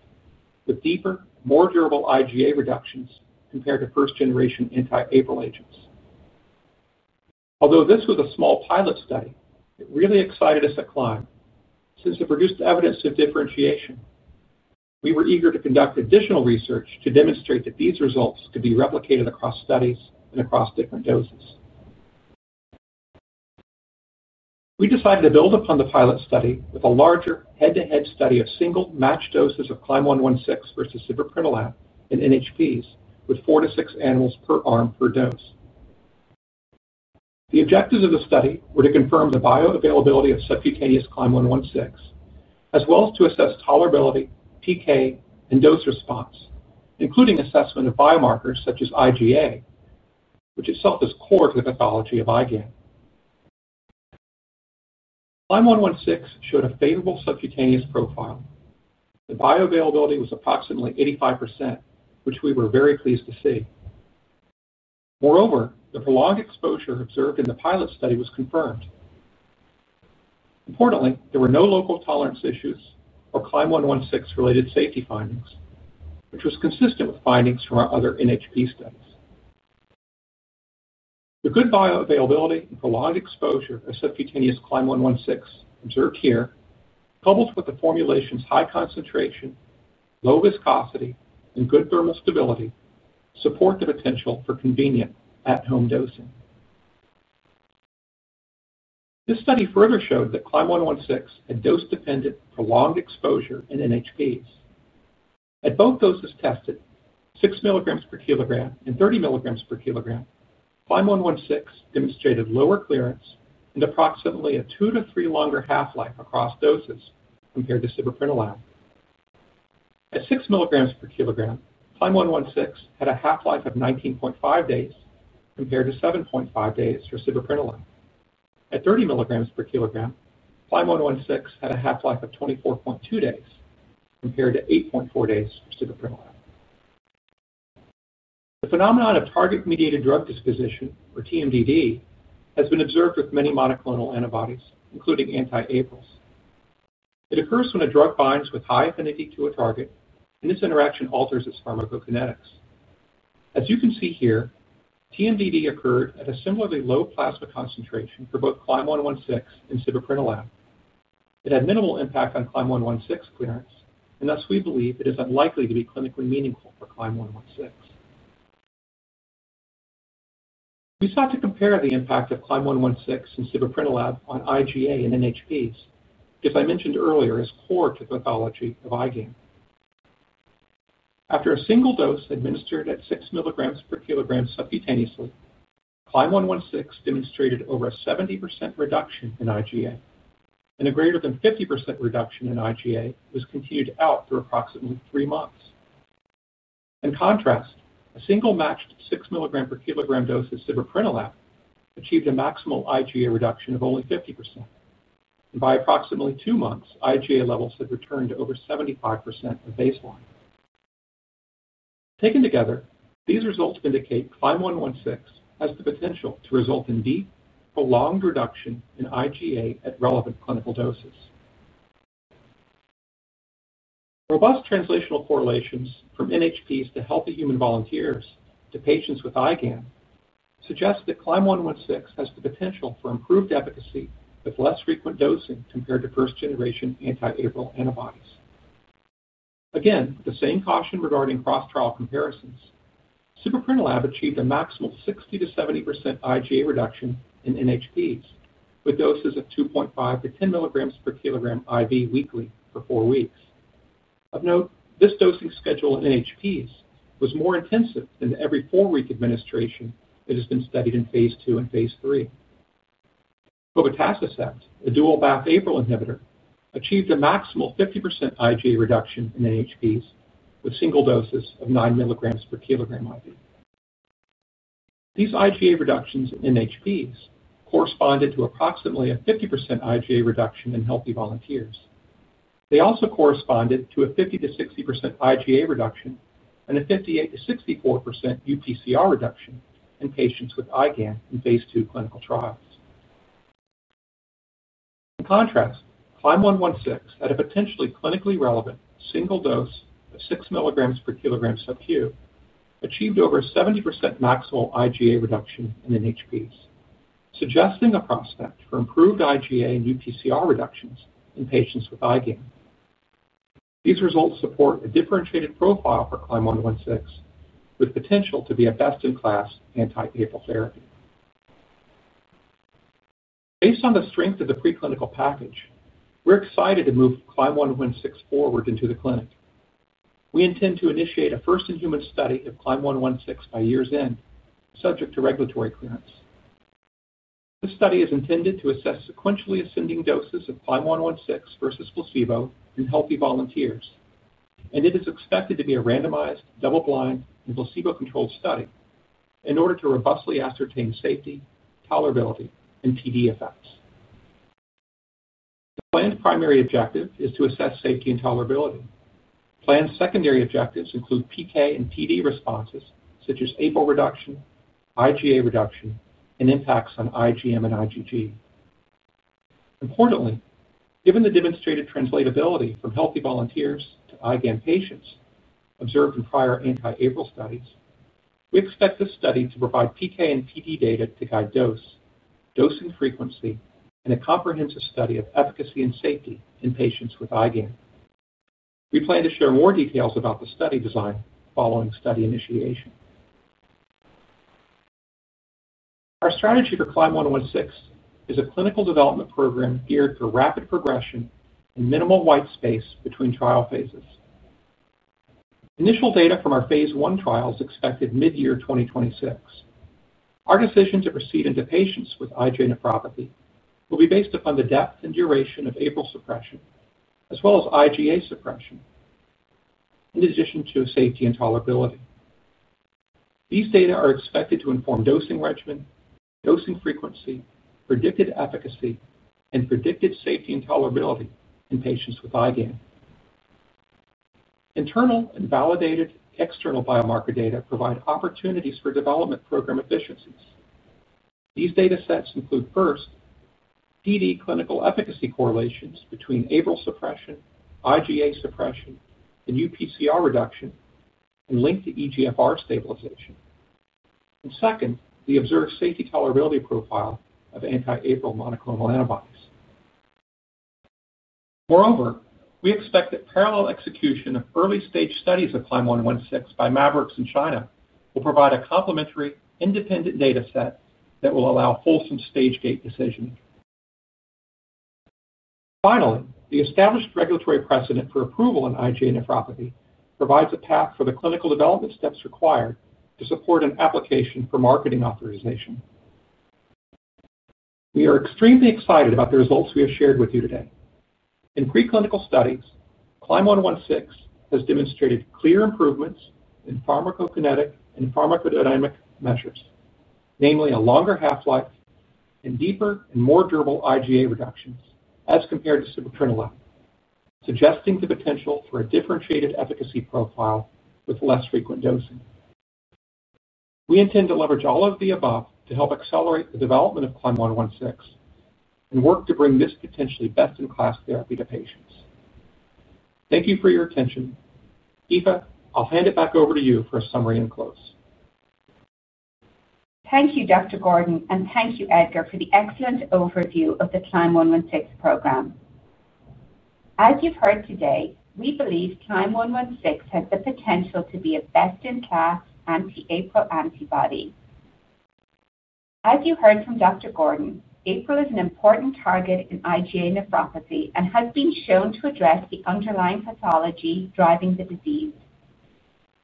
with deeper, more durable IgA reductions compared to first-generation anti-APRIL agents. Although this was a small pilot study, it really excited us at Climb Bio since it produced evidence of differentiation. We were eager to conduct additional research to demonstrate that these results could be replicated across studies and across different doses. We decided to build upon the pilot study with a larger head-to-head study of single matched doses of Climb 116 versus sibecrilimumab in NHBs with four to six animals per dose. The objectives of the study were to confirm the bioavailability of subcutaneous Climb 116, as well as to assess tolerability, PK, and dose response, including assessment of biomarkers such as IgA, which is felt as core to the pathology of IgA nephropathy. Climb 116 showed a favorable subcutaneous profile. The bioavailability was approximately 85%, which we were very pleased to see. Moreover, the prolonged exposure observed in the pilot study was confirmed. Importantly, there were no local tolerance issues or Climb 116-related safety findings, which was consistent with findings from our other NHB studies. The good bioavailability, prolonged exposure of subcutaneous Climb 116 observed here, coupled with the formulation's high concentration, low viscosity, and good thermal stability, support the potential for convenient at-home dosing. This study further showed that Climb 116 had dose-dependent prolonged exposure in NHBs. At both doses tested, 6 mg/kg and 30 mg/kg, Climb 116 demonstrated lower clearance and approximately a two to three times longer half-life across doses compared to sibecrilimumab. At 6 mg/kg, Climb 116 had a half-life of 19.5 days compared to 7.5 days for sibecrilimumab. At 30 mg/kg, Climb 116 had a half-life of 24.2 days compared to 8.4 days for sibecrilimumab. The phenomenon of target-mediated drug disposition, or TMDD, has been observed with many monoclonal antibodies, including anti-APRILs. It occurs when a drug binds with high affinity to a target, and this interaction alters its pharmacokinetics. As you can see here, TMDD occurred at a similarly low plasma concentration for both Climb 116 and sibecrilimumab. It had minimal impact on Climb 116 clearance, and thus we believe it is unlikely to be clinically meaningful for Climb 116. We sought to compare the impact of Climb 116 and sibecrilimumab on IgA in NHBs, which, as I mentioned earlier, is core to the pathology of IgA. After a single dose administered at 6 mg/kg subcutaneously, Climb 116 demonstrated over a 70% reduction in IgA, and a greater than 50% reduction in IgA was continued out for approximately three months. In contrast, a single matched 6 mg/kg dose of sibecrilimumab achieved a maximal IgA reduction of only 50%, and by approximately two months, IgA levels had returned to over 75% of baseline. Taken together, these results indicate Climb 116 has the potential to result in deep, prolonged reduction in IgA at relevant clinical doses. Robust translational correlations from NHBs to healthy human volunteers to patients with IGAN suggest that Climb 116 has the potential for improved efficacy with less frequent dosing compared to first-generation anti-APRIL antibodies. Again, the same caution regarding cross-trial comparisons. Sibecrilimumab achieved a maximal 60 to 70% IgA reduction in NHBs with doses of 2.5 to 10 mg/kg IV weekly for four weeks. Of note, this dosing schedule in NHBs was more intensive than the every-four-week administration that has been studied in phase two and phase three. Etazepam, a dual BAFF-APRIL inhibitor, achieved a maximal 50% IgA reduction in NHBs with single doses of 9 mg/kg IV. These IgA reductions in NHBs corresponded to approximately a 50% IgA reduction in healthy volunteers. They also corresponded to a 50 to 60% IgA reduction and a 58 to 64% UPCR reduction in patients with IgA nephropathy in phase 2 clinical trials. In contrast, Climb 116, at a potentially clinically relevant single dose of 6 mg/kg subcutaneously, achieved over a 70% maximal IgA reduction in NHBs, suggesting a prospect for improved IgA and UPCR reductions in patients with IgA nephropathy. These results support a differentiated profile for Climb 116, with the potential to be a best-in-class anti-APRIL therapy. Based on the strength of the preclinical package, we're excited to move Climb 116 forward into the clinic. We intend to initiate a first-in-human study of Climb 116 by year's end, subject to regulatory clearance. This study is intended to assess sequentially ascending doses of Climb 116 versus placebo in healthy volunteers, and it is expected to be a randomized, double-blind, and placebo-controlled study in order to robustly ascertain safety, tolerability, and PD effects. The planned primary objective is to assess safety and tolerability. Planned secondary objectives include PK and PD responses, such as APRIL reduction, IgA reduction, and impacts on IgM and IgG. Importantly, given the demonstrated translatability from healthy volunteers to IgA nephropathy patients observed in prior anti-APRIL studies, we expect this study to provide PK and PD data to guide dose, dosing frequency, and a comprehensive study of efficacy and safety in patients with IgA nephropathy. We plan to share more details about the study design following study initiation. Our strategy for Climb 116 is a clinical development program geared for rapid progression and minimal white space between trial phases. Initial data from our phase 1 trial is expected mid-year 2026. Our decision to proceed into patients with IgA nephropathy will be based upon the depth and duration of APRIL suppression, as well as IgA suppression, in addition to safety and tolerability. These data are expected to inform dosing regimen, dosing frequency, predicted efficacy, and predictive safety and tolerability in patients with IgA nephropathy. Internal and validated external biomarker data provide opportunities for development program efficiencies. These data sets include first, PD clinical efficacy correlations between APRIL suppression, IgA suppression, and UPCR reduction, and linked to eGFR stabilization. Second, the observed safety tolerability profile of anti-APRIL monoclonal antibodies. Moreover, we expect that parallel execution of early-stage studies of Climb 116 by Mabwell in China will provide a complementary independent data set that will allow fulsome stage-gate decisions. Finally, the established regulatory precedent for approval in IgA nephropathy provides a path for the clinical development steps required to support an application for marketing authorization. We are extremely excited about the results we have shared with you today. In preclinical studies, Climb 116 has demonstrated clear improvements in pharmacokinetic and pharmacodynamic measures, namely a longer half-life and deeper and more durable IgA reductions as compared to sibecrilimumab, suggesting the potential for a differentiated efficacy profile with less frequent dosing. We intend to leverage all of the above to help accelerate the development of Climb 116 and work to bring this potentially best-in-class therapy to patients. Thank you for your attention. Eva, I'll hand it back over to you for a summary and close. Thank you, Dr. Gordon, and thank you, Edgar, for the excellent overview of the Climb 116 program. As you've heard today, we believe Climb 116 has the potential to be a best-in-class anti-APRIL antibody. As you heard from Dr. Gordon, APRIL is an important target in IgA nephropathy and has been shown to address the underlying pathology driving the disease.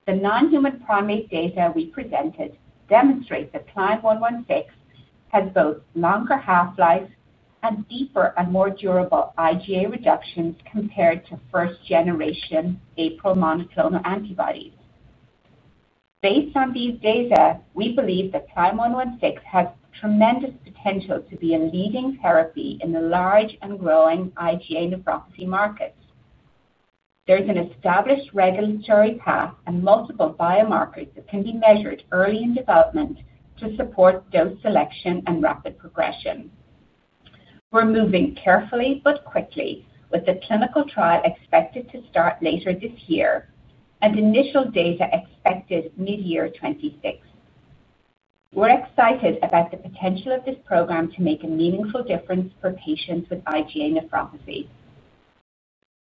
The non-human primate data we presented demonstrates that Climb 116 has both longer half-lives and deeper and more durable IgA reductions compared to first-generation APRIL monoclonal antibodies. Based on these data, we believe that Climb 116 has tremendous potential to be a leading therapy in the large and growing IgA nephropathy market. There's an established regulatory path and multiple biomarkers that can be measured early in development to support dose selection and rapid progression. We're moving carefully but quickly with the clinical trial expected to start later this year and initial data expected mid-year 2026. We're excited about the potential of this program to make a meaningful difference for patients with IgA nephropathy.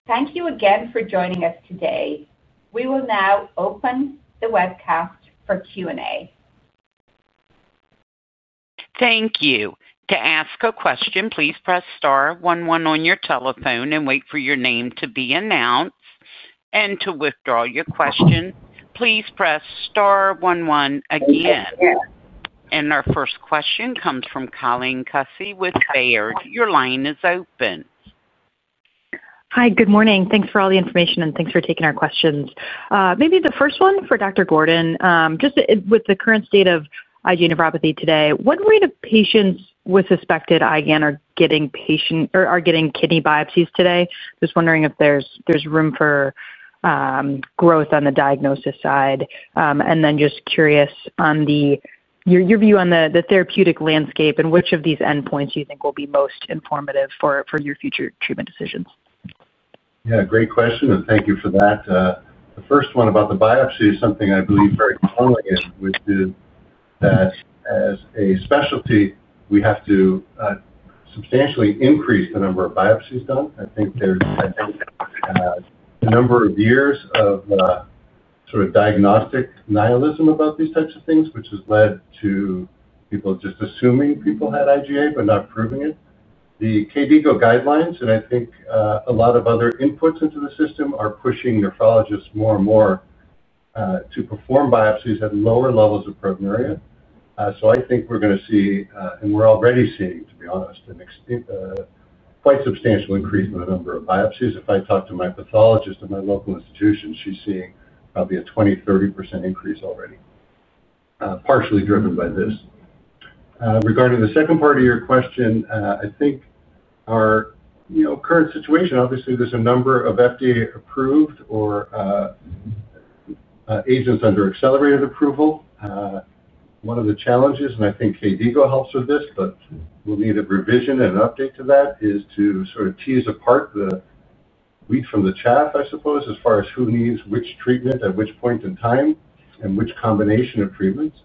Thank you again for joining us today. We will now open the webcast for Q&A. Thank you. To ask a question, please press star 11 on your telephone and wait for your name to be announced. To withdraw your question, please press star 11 again. Our first question comes from Colleen Cussie with Bayard. Your line is open. Hi, good morning. Thanks for all the information and thanks for taking our questions. Maybe the first one for Dr. Gordon, just with the current state of IgA nephropathy today, what rate of patients with suspected IGAN are getting kidney biopsies today? Just wondering if there's room for growth on the diagnosis side. Just curious on your view on the therapeutic landscape and which of these endpoints you think will be most informative for your future treatment decisions. Yeah, great question, and thank you for that. The first one about the biopsy is something I believe very strongly in, which is that as a specialty, we have to substantially increase the number of biopsies done. I think there's a number of years of sort of diagnostic nihilism about these types of things, which has led to people just assuming people had IgA but not proving it. The KDIGO guidelines and I think a lot of other inputs into the system are pushing nephrologists more and more to perform biopsies at lower levels of proteinuria. I think we're going to see, and we're already seeing, to be honest, a quite substantial increase in the number of biopsies. If I talk to my pathologist at my local institution, she's seeing probably a 20-30% increase already, partially driven by this. Regarding the second part of your question, I think our current situation, obviously, there's a number of FDA-approved or agents under accelerated approval. One of the challenges, and I think KDIGO helps with this, but we'll need a revision and an update to that, is to sort of tease apart the wheat from the chaff, I suppose, as far as who needs which treatment at which point in time and which combination of treatments.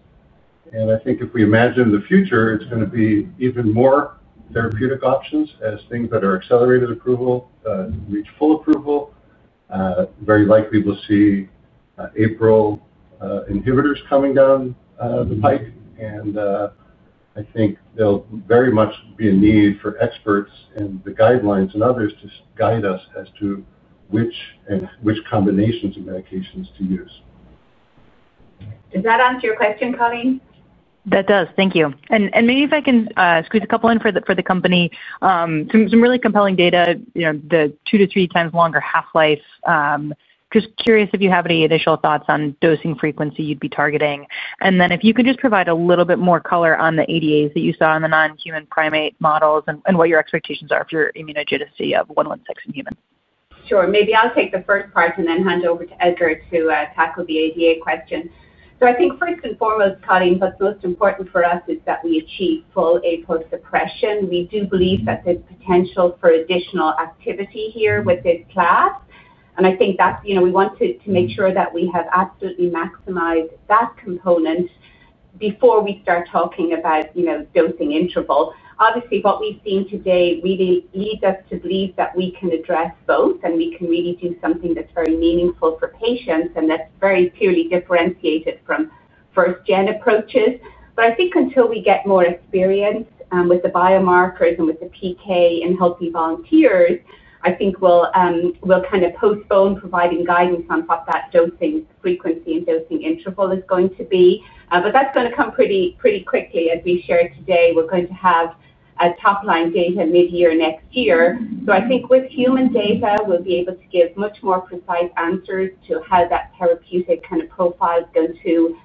I think if we imagine in the future, it's going to be even more therapeutic options as things that are accelerated approval reach full approval. Very likely, we'll see APRIL inhibitors coming down the pike, and I think there'll very much be a need for experts in the guidelines and others to guide us as to which and which combinations of medications to use. Does that answer your question, Colleen? That does. Thank you. Maybe if I can squeeze a couple in for the company, some really compelling data, you know, the two to three times longer half-life. Just curious if you have any initial thoughts on dosing frequency you'd be targeting. If you can just provide a little bit more color on the ADAs that you saw in the non-human primate models and what your expectations are for your immunogenicity of 116 in humans. Sure. Maybe I'll take the first part and then hand over to Edgar to tackle the ADA question. I think first and foremost, Colleen, what's most important for us is that we achieve full APRIL suppression. We do believe that there's potential for additional activity here with this class. I think that we want to make sure that we have absolutely maximized that component before we start talking about dosing interval. Obviously, what we've seen today really leads us to believe that we can address both and we can really do something that's very meaningful for patients and that's very clearly differentiated from first-gen approaches. I think until we get more experience with the biomarkers and with the PK in healthy volunteers, we'll kind of postpone providing guidance on what that dosing frequency and dosing interval is going to be. That's going to come pretty quickly. As we shared today, we're going to have top-line data mid-year next year. I think with human data, we'll be able to give much more precise answers to how that therapeutic kind of profile is going to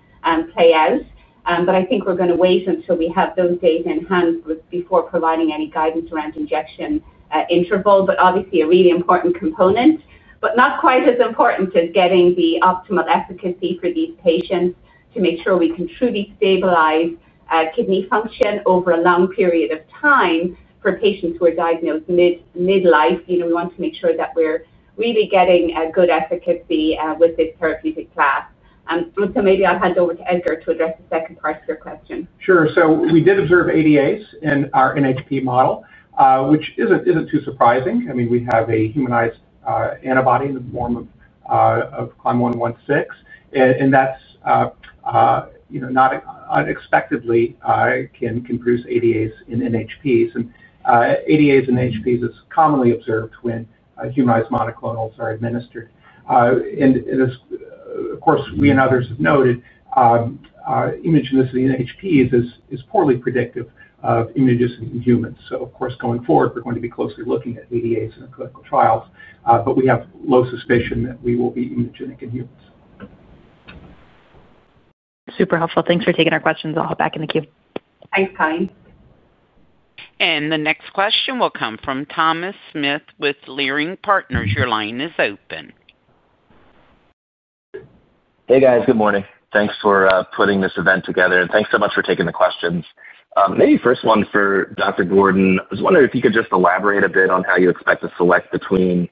play out. I think we're going to wait until we have those data in hand before providing any guidance around injection interval. Obviously, a really important component, but not quite as important as getting the optimal efficacy for these patients to make sure we can truly stabilize kidney function over a long period of time for patients who are diagnosed mid-life. We want to make sure that we're really getting good efficacy with this therapeutic class. Maybe I'll hand over to Edgar to address the second part of your question. Sure. We did observe ADAs in our NHB model, which isn't too surprising. We have a humanized antibody in the form of Climb 116, and that's, you know, not unexpectedly can produce ADAs in NHBs. ADAs in NHBs is commonly observed when humanized monoclonal antibodies are administered. We and others have noted immunogenicity in NHBs is poorly predictive of immunogenicity in humans. Going forward, we're going to be closely looking at ADAs in clinical trials, but we have low suspicion that we will be immunogenic in humans. Super helpful. Thanks for taking our questions. I'll hop back in the queue. Thanks, Colleen. The next question will come from Thomas Smith with Leerink Partners. Your line is open. Hey, guys. Good morning. Thanks for putting this event together, and thanks so much for taking the questions. Maybe first one for Dr. Gordon. I was wondering if you could just elaborate a bit on how you expect to select between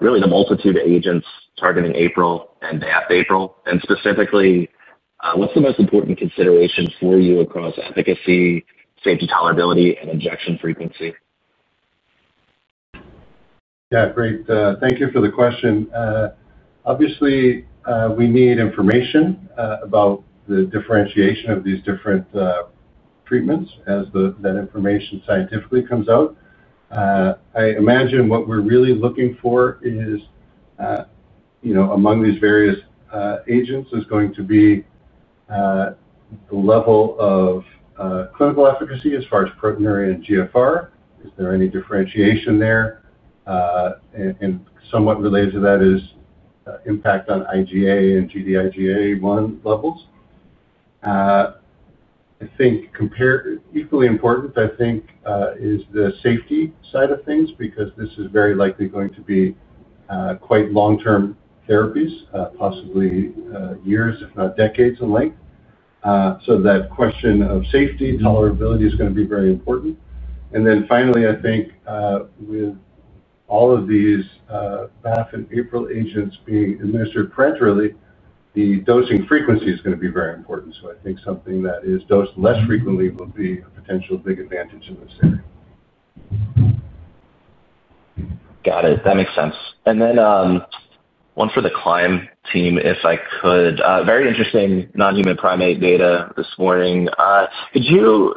really the multitude of agents targeting APRIL and BAFF-APRIL, and specifically, what's the most important consideration for you across efficacy, safety, tolerability, and injection frequency? Yeah, great. Thank you for the question. Obviously, we need information about the differentiation of these different treatments as that information scientifically comes out. I imagine what we're really looking for is, you know, among these various agents, is going to be the level of clinical efficacy as far as proteinuria and GFR. Is there any differentiation there? Somewhat related to that is the impact on IgA and Gd-IgA1 levels. I think equally important, I think, is the safety side of things because this is very likely going to be quite long-term therapies, possibly years, if not decades, in length. That question of safety, tolerability is going to be very important. Finally, I think with all of these BAFF and APRIL agents being administered parenterally, the dosing frequency is going to be very important. I think something that is dosed less frequently would be a potential big advantage in this area. Got it. That makes sense. One for the Climb Bio team, if I could. Very interesting non-human primate data this morning. Could you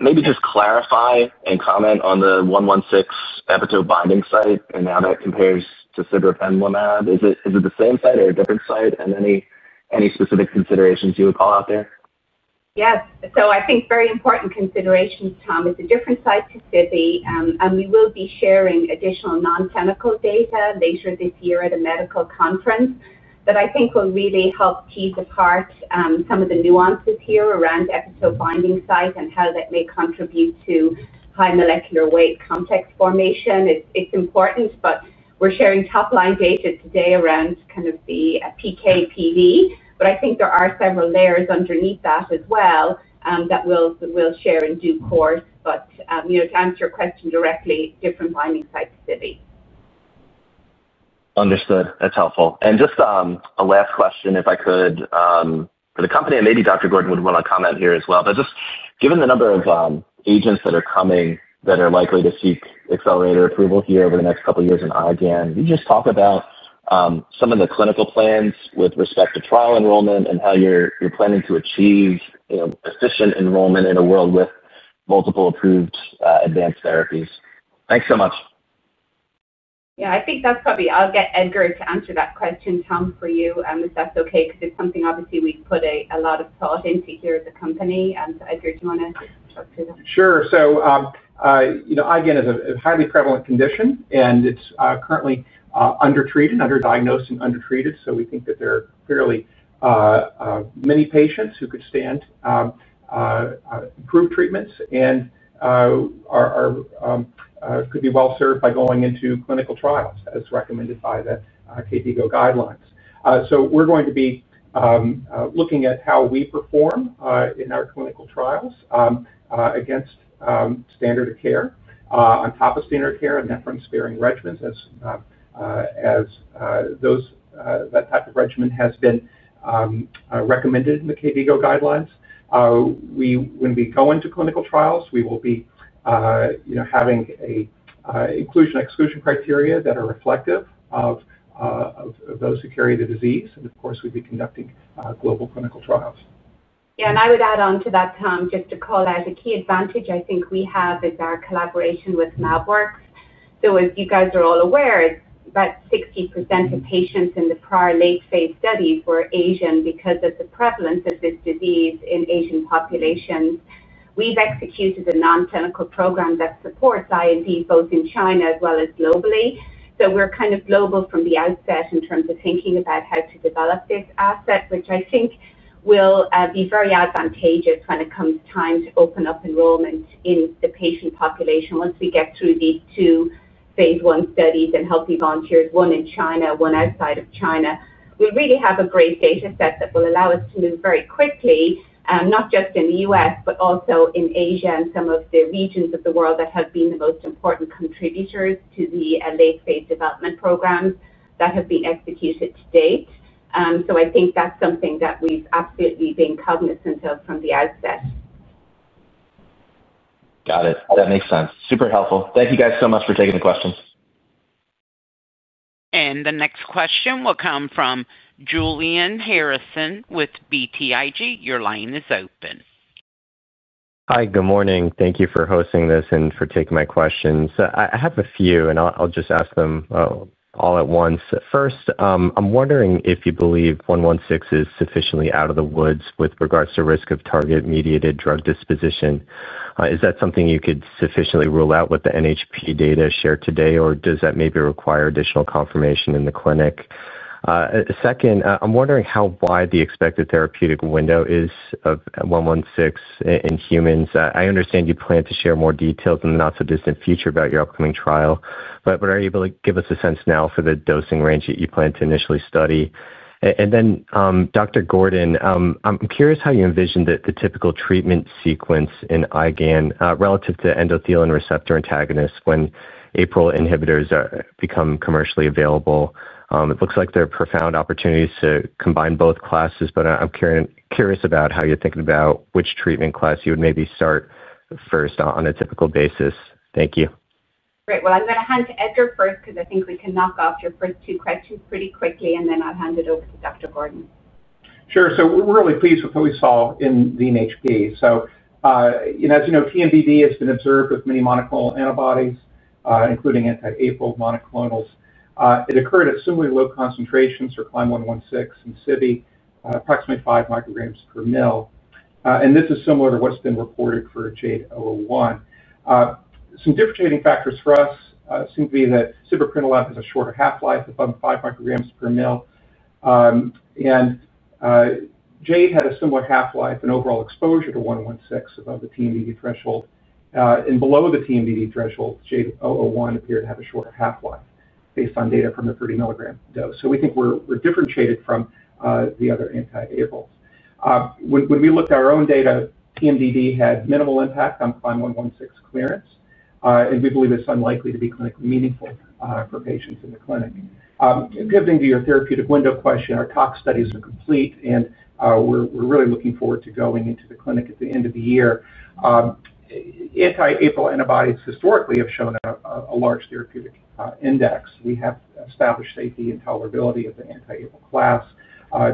maybe just clarify and comment on the Climb 116 epitope binding site and how that compares to sibecrilimumab? Is it the same site or a different site? Any specific considerations you would call out there? Yes. I think very important considerations, Tom. It's a different site to Cibi. We will be sharing additional non-clinical data later this year at a medical conference that I think will really help tease apart some of the nuances here around the epitope binding site and how that may contribute to high molecular weight complex formation. It's important, but we're sharing top-line data today around kind of the PK/PV. I think there are several layers underneath that as well that we'll share in due course. To answer your question directly, different binding sites to Cibi. Understood. That's helpful. Just a last question, if I could, for the company, and maybe Dr. Gordon would want to comment here as well. Just given the number of agents that are coming that are likely to seek accelerated approval here over the next couple of years in IgA nephropathy, can you talk about some of the clinical plans with respect to trial enrollment and how you're planning to achieve efficient enrollment in a world with multiple approved advanced therapies? Thanks so much. Yeah, I think that's probably I'll get Edgar to answer that question, Tom, for you, if that's okay, because it's something obviously we've put a lot of thought into here as a company. Edgar, do you want to talk to that? Sure. You know, IgA nephropathy is a highly prevalent condition, and it's currently underdiagnosed and undertreated. We think that there are fairly many patients who could stand group treatments and could be well served by going into clinical trials as recommended by the KDIGO clinical practice guidelines. We're going to be looking at how we perform in our clinical trials against standard of care, on top of standard of care, and then from sparing regimens as those regimens have been recommended in the KDIGO clinical practice guidelines. We will be going to clinical trials. We will be having inclusion/exclusion criteria that are reflective of those who carry the disease. Of course, we'd be conducting global clinical trials. Yeah, and I would add on to that, Tom, just to call that as a key advantage I think we have is our collaboration with Mabwell. As you guys are all aware, about 60% of patients in the prior late-phase studies were Asian because of the prevalence of this disease in Asian populations. We've executed a non-clinical program that supports IND both in China as well as globally. We're kind of global from the outset in terms of thinking about how to develop this asset, which I think will be very advantageous when it comes time to open up enrollment in the patient population once we get through these two phase 1 studies in healthy volunteers, one in China, one outside of China. We really have a great data set that will allow us to move very quickly, not just in the U.S., but also in Asia and some of the regions of the world that have been the most important contributors to the late-phase development programs that have been executed to date. I think that's something that we've absolutely been cognizant of from the outset. Got it. That makes sense. Super helpful. Thank you guys so much for taking the questions. The next question will come from Julian Harrison with BTIG. Your line is open. Hi, good morning. Thank you for hosting this and for taking my questions. I have a few, and I'll just ask them all at once. First, I'm wondering if you believe 116 is sufficiently out of the woods with regards to risk of target-mediated drug disposition. Is that something you could sufficiently rule out with the NHB data shared today, or does that maybe require additional confirmation in the clinic? Second, I'm wondering how wide the expected therapeutic window is of 116 in humans. I understand you plan to share more details in the not-so-distant future about your upcoming trial, but are you able to give us a sense now for the dosing range that you plan to initially study? Then, Dr. Gordon, I'm curious how you envision the typical treatment sequence in IgA nephropathy relative to endothelin receptor antagonists when APRIL inhibitors become commercially available. It looks like there are profound opportunities to combine both classes, but I'm curious about how you're thinking about which treatment class you would maybe start first on a typical basis. Thank you. Great. I'm going to hand to Edgar first because I think we can knock off your first two questions pretty quickly, and then I'll hand it over to Dr. Gordon. Sure. We're really pleased with what we saw in the NHB. As you know, TMDD has been observed with many monoclonal antibodies, including anti-APRIL monoclonals. It occurred at similarly low concentrations for Climb 116 and sibecrilimumab, approximately 5 micrograms per mL. This is similar to what's been reported for JADE-01. Some differentiating factors for us seem to be that sibecrilimumab has a shorter half-life above 5 micrograms per mL. JADE had a similar half-life and overall exposure to 116 above the TMDD threshold. Below the TMDD threshold, JADE-01 appeared to have a shorter half-life based on data from the 30-milligram dose. We think we're differentiated from the other anti-APRIL. When we looked at our own data, TMDD had minimal impact on Climb 116 clearance, and we believe it's unlikely to be clinically meaningful for patients in the clinic. Getting to your therapeutic window question, our tox studies are complete, and we're really looking forward to going into the clinic at the end of the year. Anti-APRIL antibodies historically have shown a large therapeutic index. We have established safety and tolerability of the anti-APRIL class.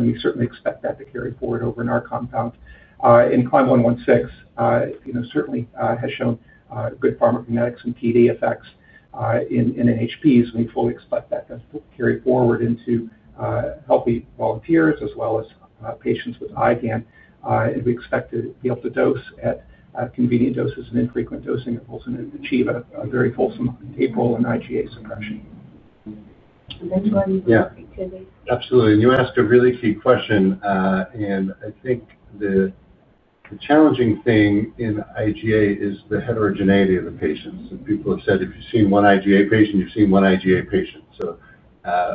You certainly expect that to carry forward over in our compound. Climb 116 certainly has shown good pharmacokinetics and PD effects in NHBs, and we fully expect that to carry forward into healthy volunteers as well as patients with IgA nephropathy. We expect to be able to dose at convenient doses and infrequent dosing goals and achieve a very fulsome APRIL and IgA survival. You wanted to speak to the. Absolutely. You asked a really key question, and I think the challenging thing in IgA is the heterogeneity of the patients. People have said if you've seen one IgA patient, you've seen one IgA patient.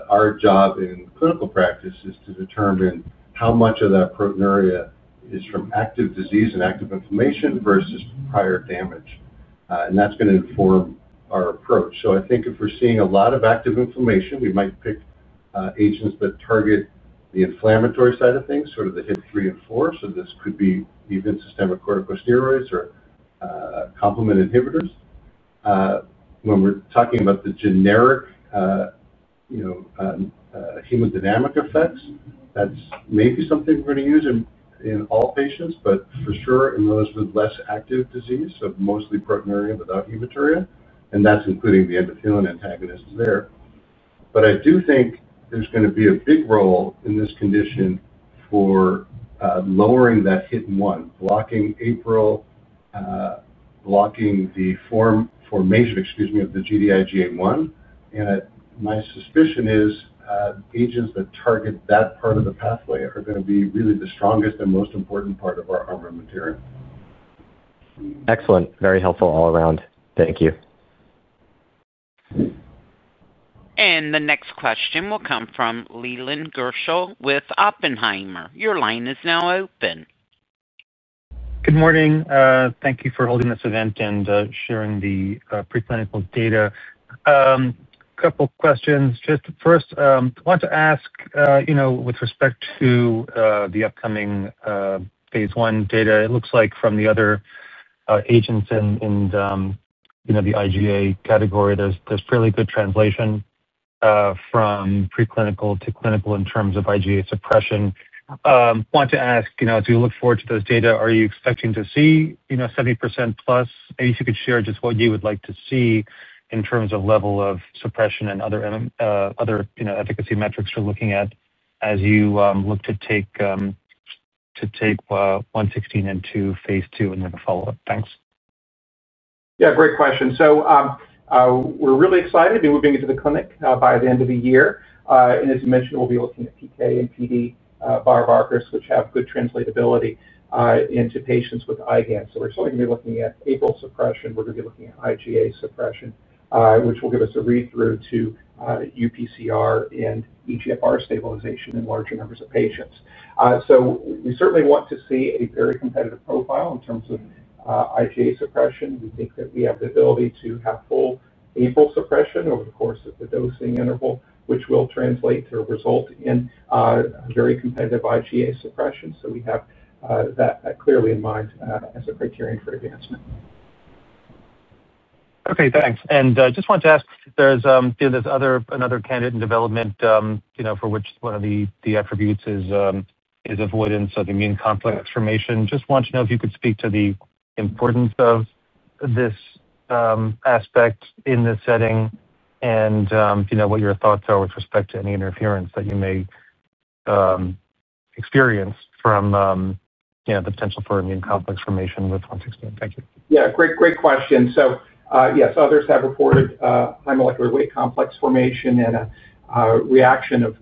Our job in clinical practice is to determine how much of that proteinuria is from active disease and active inflammation versus prior damage. That's going to inform our approach. I think if we're seeing a lot of active inflammation, we might pick agents that target the inflammatory side of things, sort of the HIF3 and 4. This could be even systemic corticosteroids or complement inhibitors. When we're talking about the generic, you know, hemodynamic effects, that's maybe something we're going to use in all patients, for sure in those with less active disease, mostly proteinuria without hematuria, and that's including the endothelin antagonists there. I do think there's going to be a big role in this condition for lowering that HIF1, blocking APRIL, blocking the formation or excretion of the Gd-IgA1. My suspicion is, Agents that target that part of the pathway are going to be really the strongest and most important part of our algorithm material. Excellent. Very helpful all around. Thank you. The next question will come from Leland Gershol with Oppenheimer. Your line is now open. Good morning. Thank you for holding this event and sharing the preclinical data. A couple of questions. First, I want to ask, with respect to the upcoming phase 1 data, it looks like from the other agents in the IgA category, there's fairly good translation from preclinical to clinical in terms of IgA suppression. I want to ask, as we look forward to those data, are you expecting to see 70% plus? Maybe if you could share just what you would like to see in terms of level of suppression and other efficacy metrics you're looking at as you look to take Climb 116 into phase 2 and then follow up. Thanks. Great question. We're really excited. We'll be moving into the clinic by the end of the year. As you mentioned, we'll be looking at PK and PD viral markers, which have good translatability into patients with IgA nephropathy. We're certainly going to be looking at APRIL suppression. We're going to be looking at IgA suppression, which will give us a read-through to UPCR and eGFR stabilization in larger numbers of patients. We certainly want to see a very competitive profile in terms of IgA suppression. We think that we have the ability to have full APRIL suppression over the course of the dosing interval, which will translate to a result in very competitive IgA suppression. We have that clearly in mind as a criterion for advancement. Okay, thanks. I just wanted to ask, there's another candidate in development, you know, for which one of the attributes is avoidance of immune complex formation. I just wanted to know if you could speak to the importance of this aspect in this setting and what your thoughts are with respect to any interference that you may experience from the potential for immune complex formation with Climb 116. Thank you. Great question. Yes, others have reported high molecular weight complex formation and a reaction of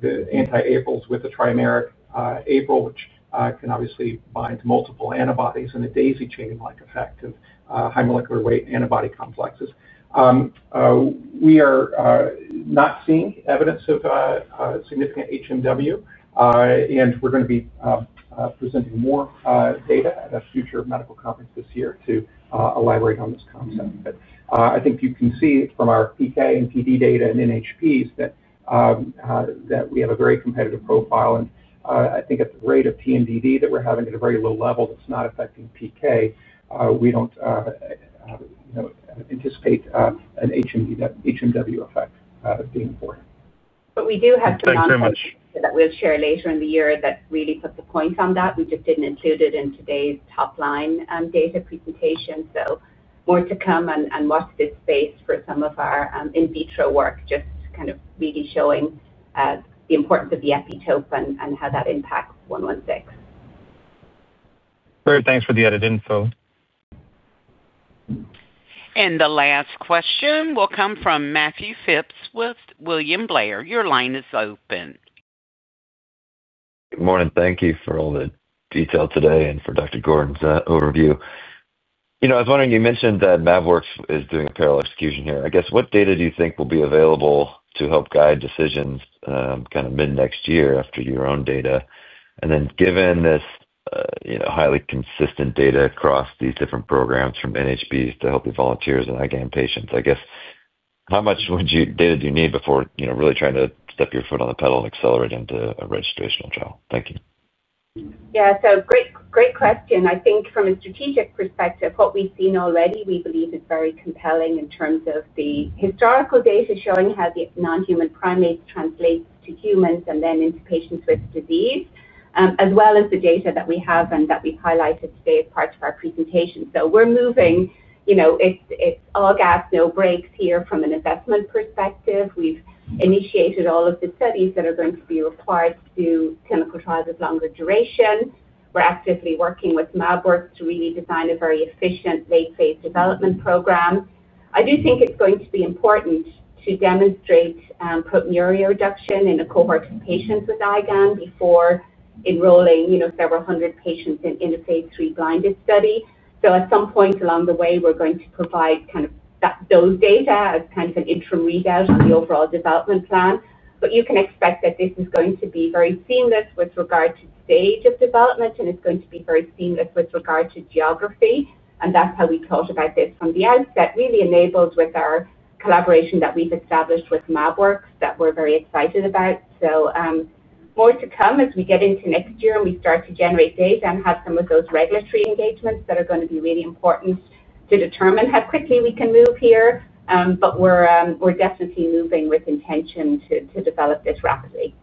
the anti-APRILs with the trimer APRIL, which can obviously bind to multiple antibodies and create a daisy chain-like effect of high molecular weight antibody complexes. We are not seeing evidence of significant HMW, and we are going to be presenting more data at a future medical conference this year to elaborate on this concept. I think you can see from our PK and PD data and NHPs that we have a very competitive profile. At the rate of TMDD that we are having at a very low level that's not affecting PK, we do not anticipate an HMW effect being important. We do have some other. Thanks very much. We'll share later in the year that really put the points on that. We just didn't include it in today's top line data presentation. More to come and more to this space for some of our in vitro work, just kind of really showing the importance of the epitope and how that impacts Climb 116. Great. Thanks for the added info. The last question will come from Matthew Phipps with William Blair. Your line is open. Good morning. Thank you for all the detail today and for Dr. Gordon's overview. I was wondering, you mentioned that Mabwell is doing a parallel execution here. What data do you think will be available to help guide decisions kind of mid-next year after your own data? Given this highly consistent data across these different programs from NHBs to healthy volunteers and IgA nephropathy patients, how much data do you need before really trying to step your foot on the pedal and accelerate into a registration and trial? Thank you. Yeah, great question. I think from a strategic perspective, what we've seen already, we believe is very compelling in terms of the historical data showing how the non-human primates translate to humans and then into patients with disease, as well as the data that we have and that we've highlighted today as part of our presentation. We're moving, it's all gas, no brakes here from an investment perspective. We've initiated all of the studies that are going to be required to do clinical trials of longer duration. We're actively working with Mabwell to really design a very efficient late-phase development program. I do think it's going to be important to demonstrate proteinuria reduction in a cohort of patients with IgA nephropathy before enrolling several hundred patients in a phase III blinded study. At some point along the way, we're going to provide those data as an interim read-out on the overall development plan. You can expect that this is going to be very seamless with regard to stage of development, and it's going to be very seamless with regard to geography. That's how we thought about this from the outset. It really enables, with our collaboration that we've established with Mabwell, that we're very excited about. More to come as we get into next year and we start to generate data and have some of those regulatory engagements that are going to be really important to determine how quickly we can move here. We're definitely moving with intention to develop this rapidly.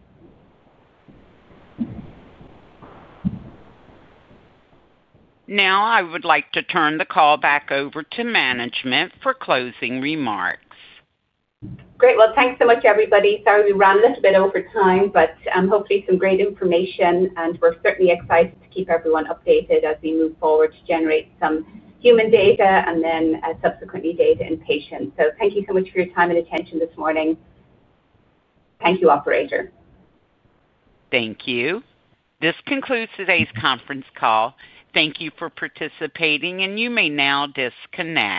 Now, I would like to turn the call back over to management for closing remarks. Great. Thank you so much, everybody. Sorry, we ran a little bit over time, but hopefully some great information. We're certainly excited to keep everyone updated as we move forward to generate some human data and then subsequently data in patients. Thank you so much for your time and attention this morning. Thank you, operator. Thank you. This concludes today's conference call. Thank you for participating, and you may now disconnect.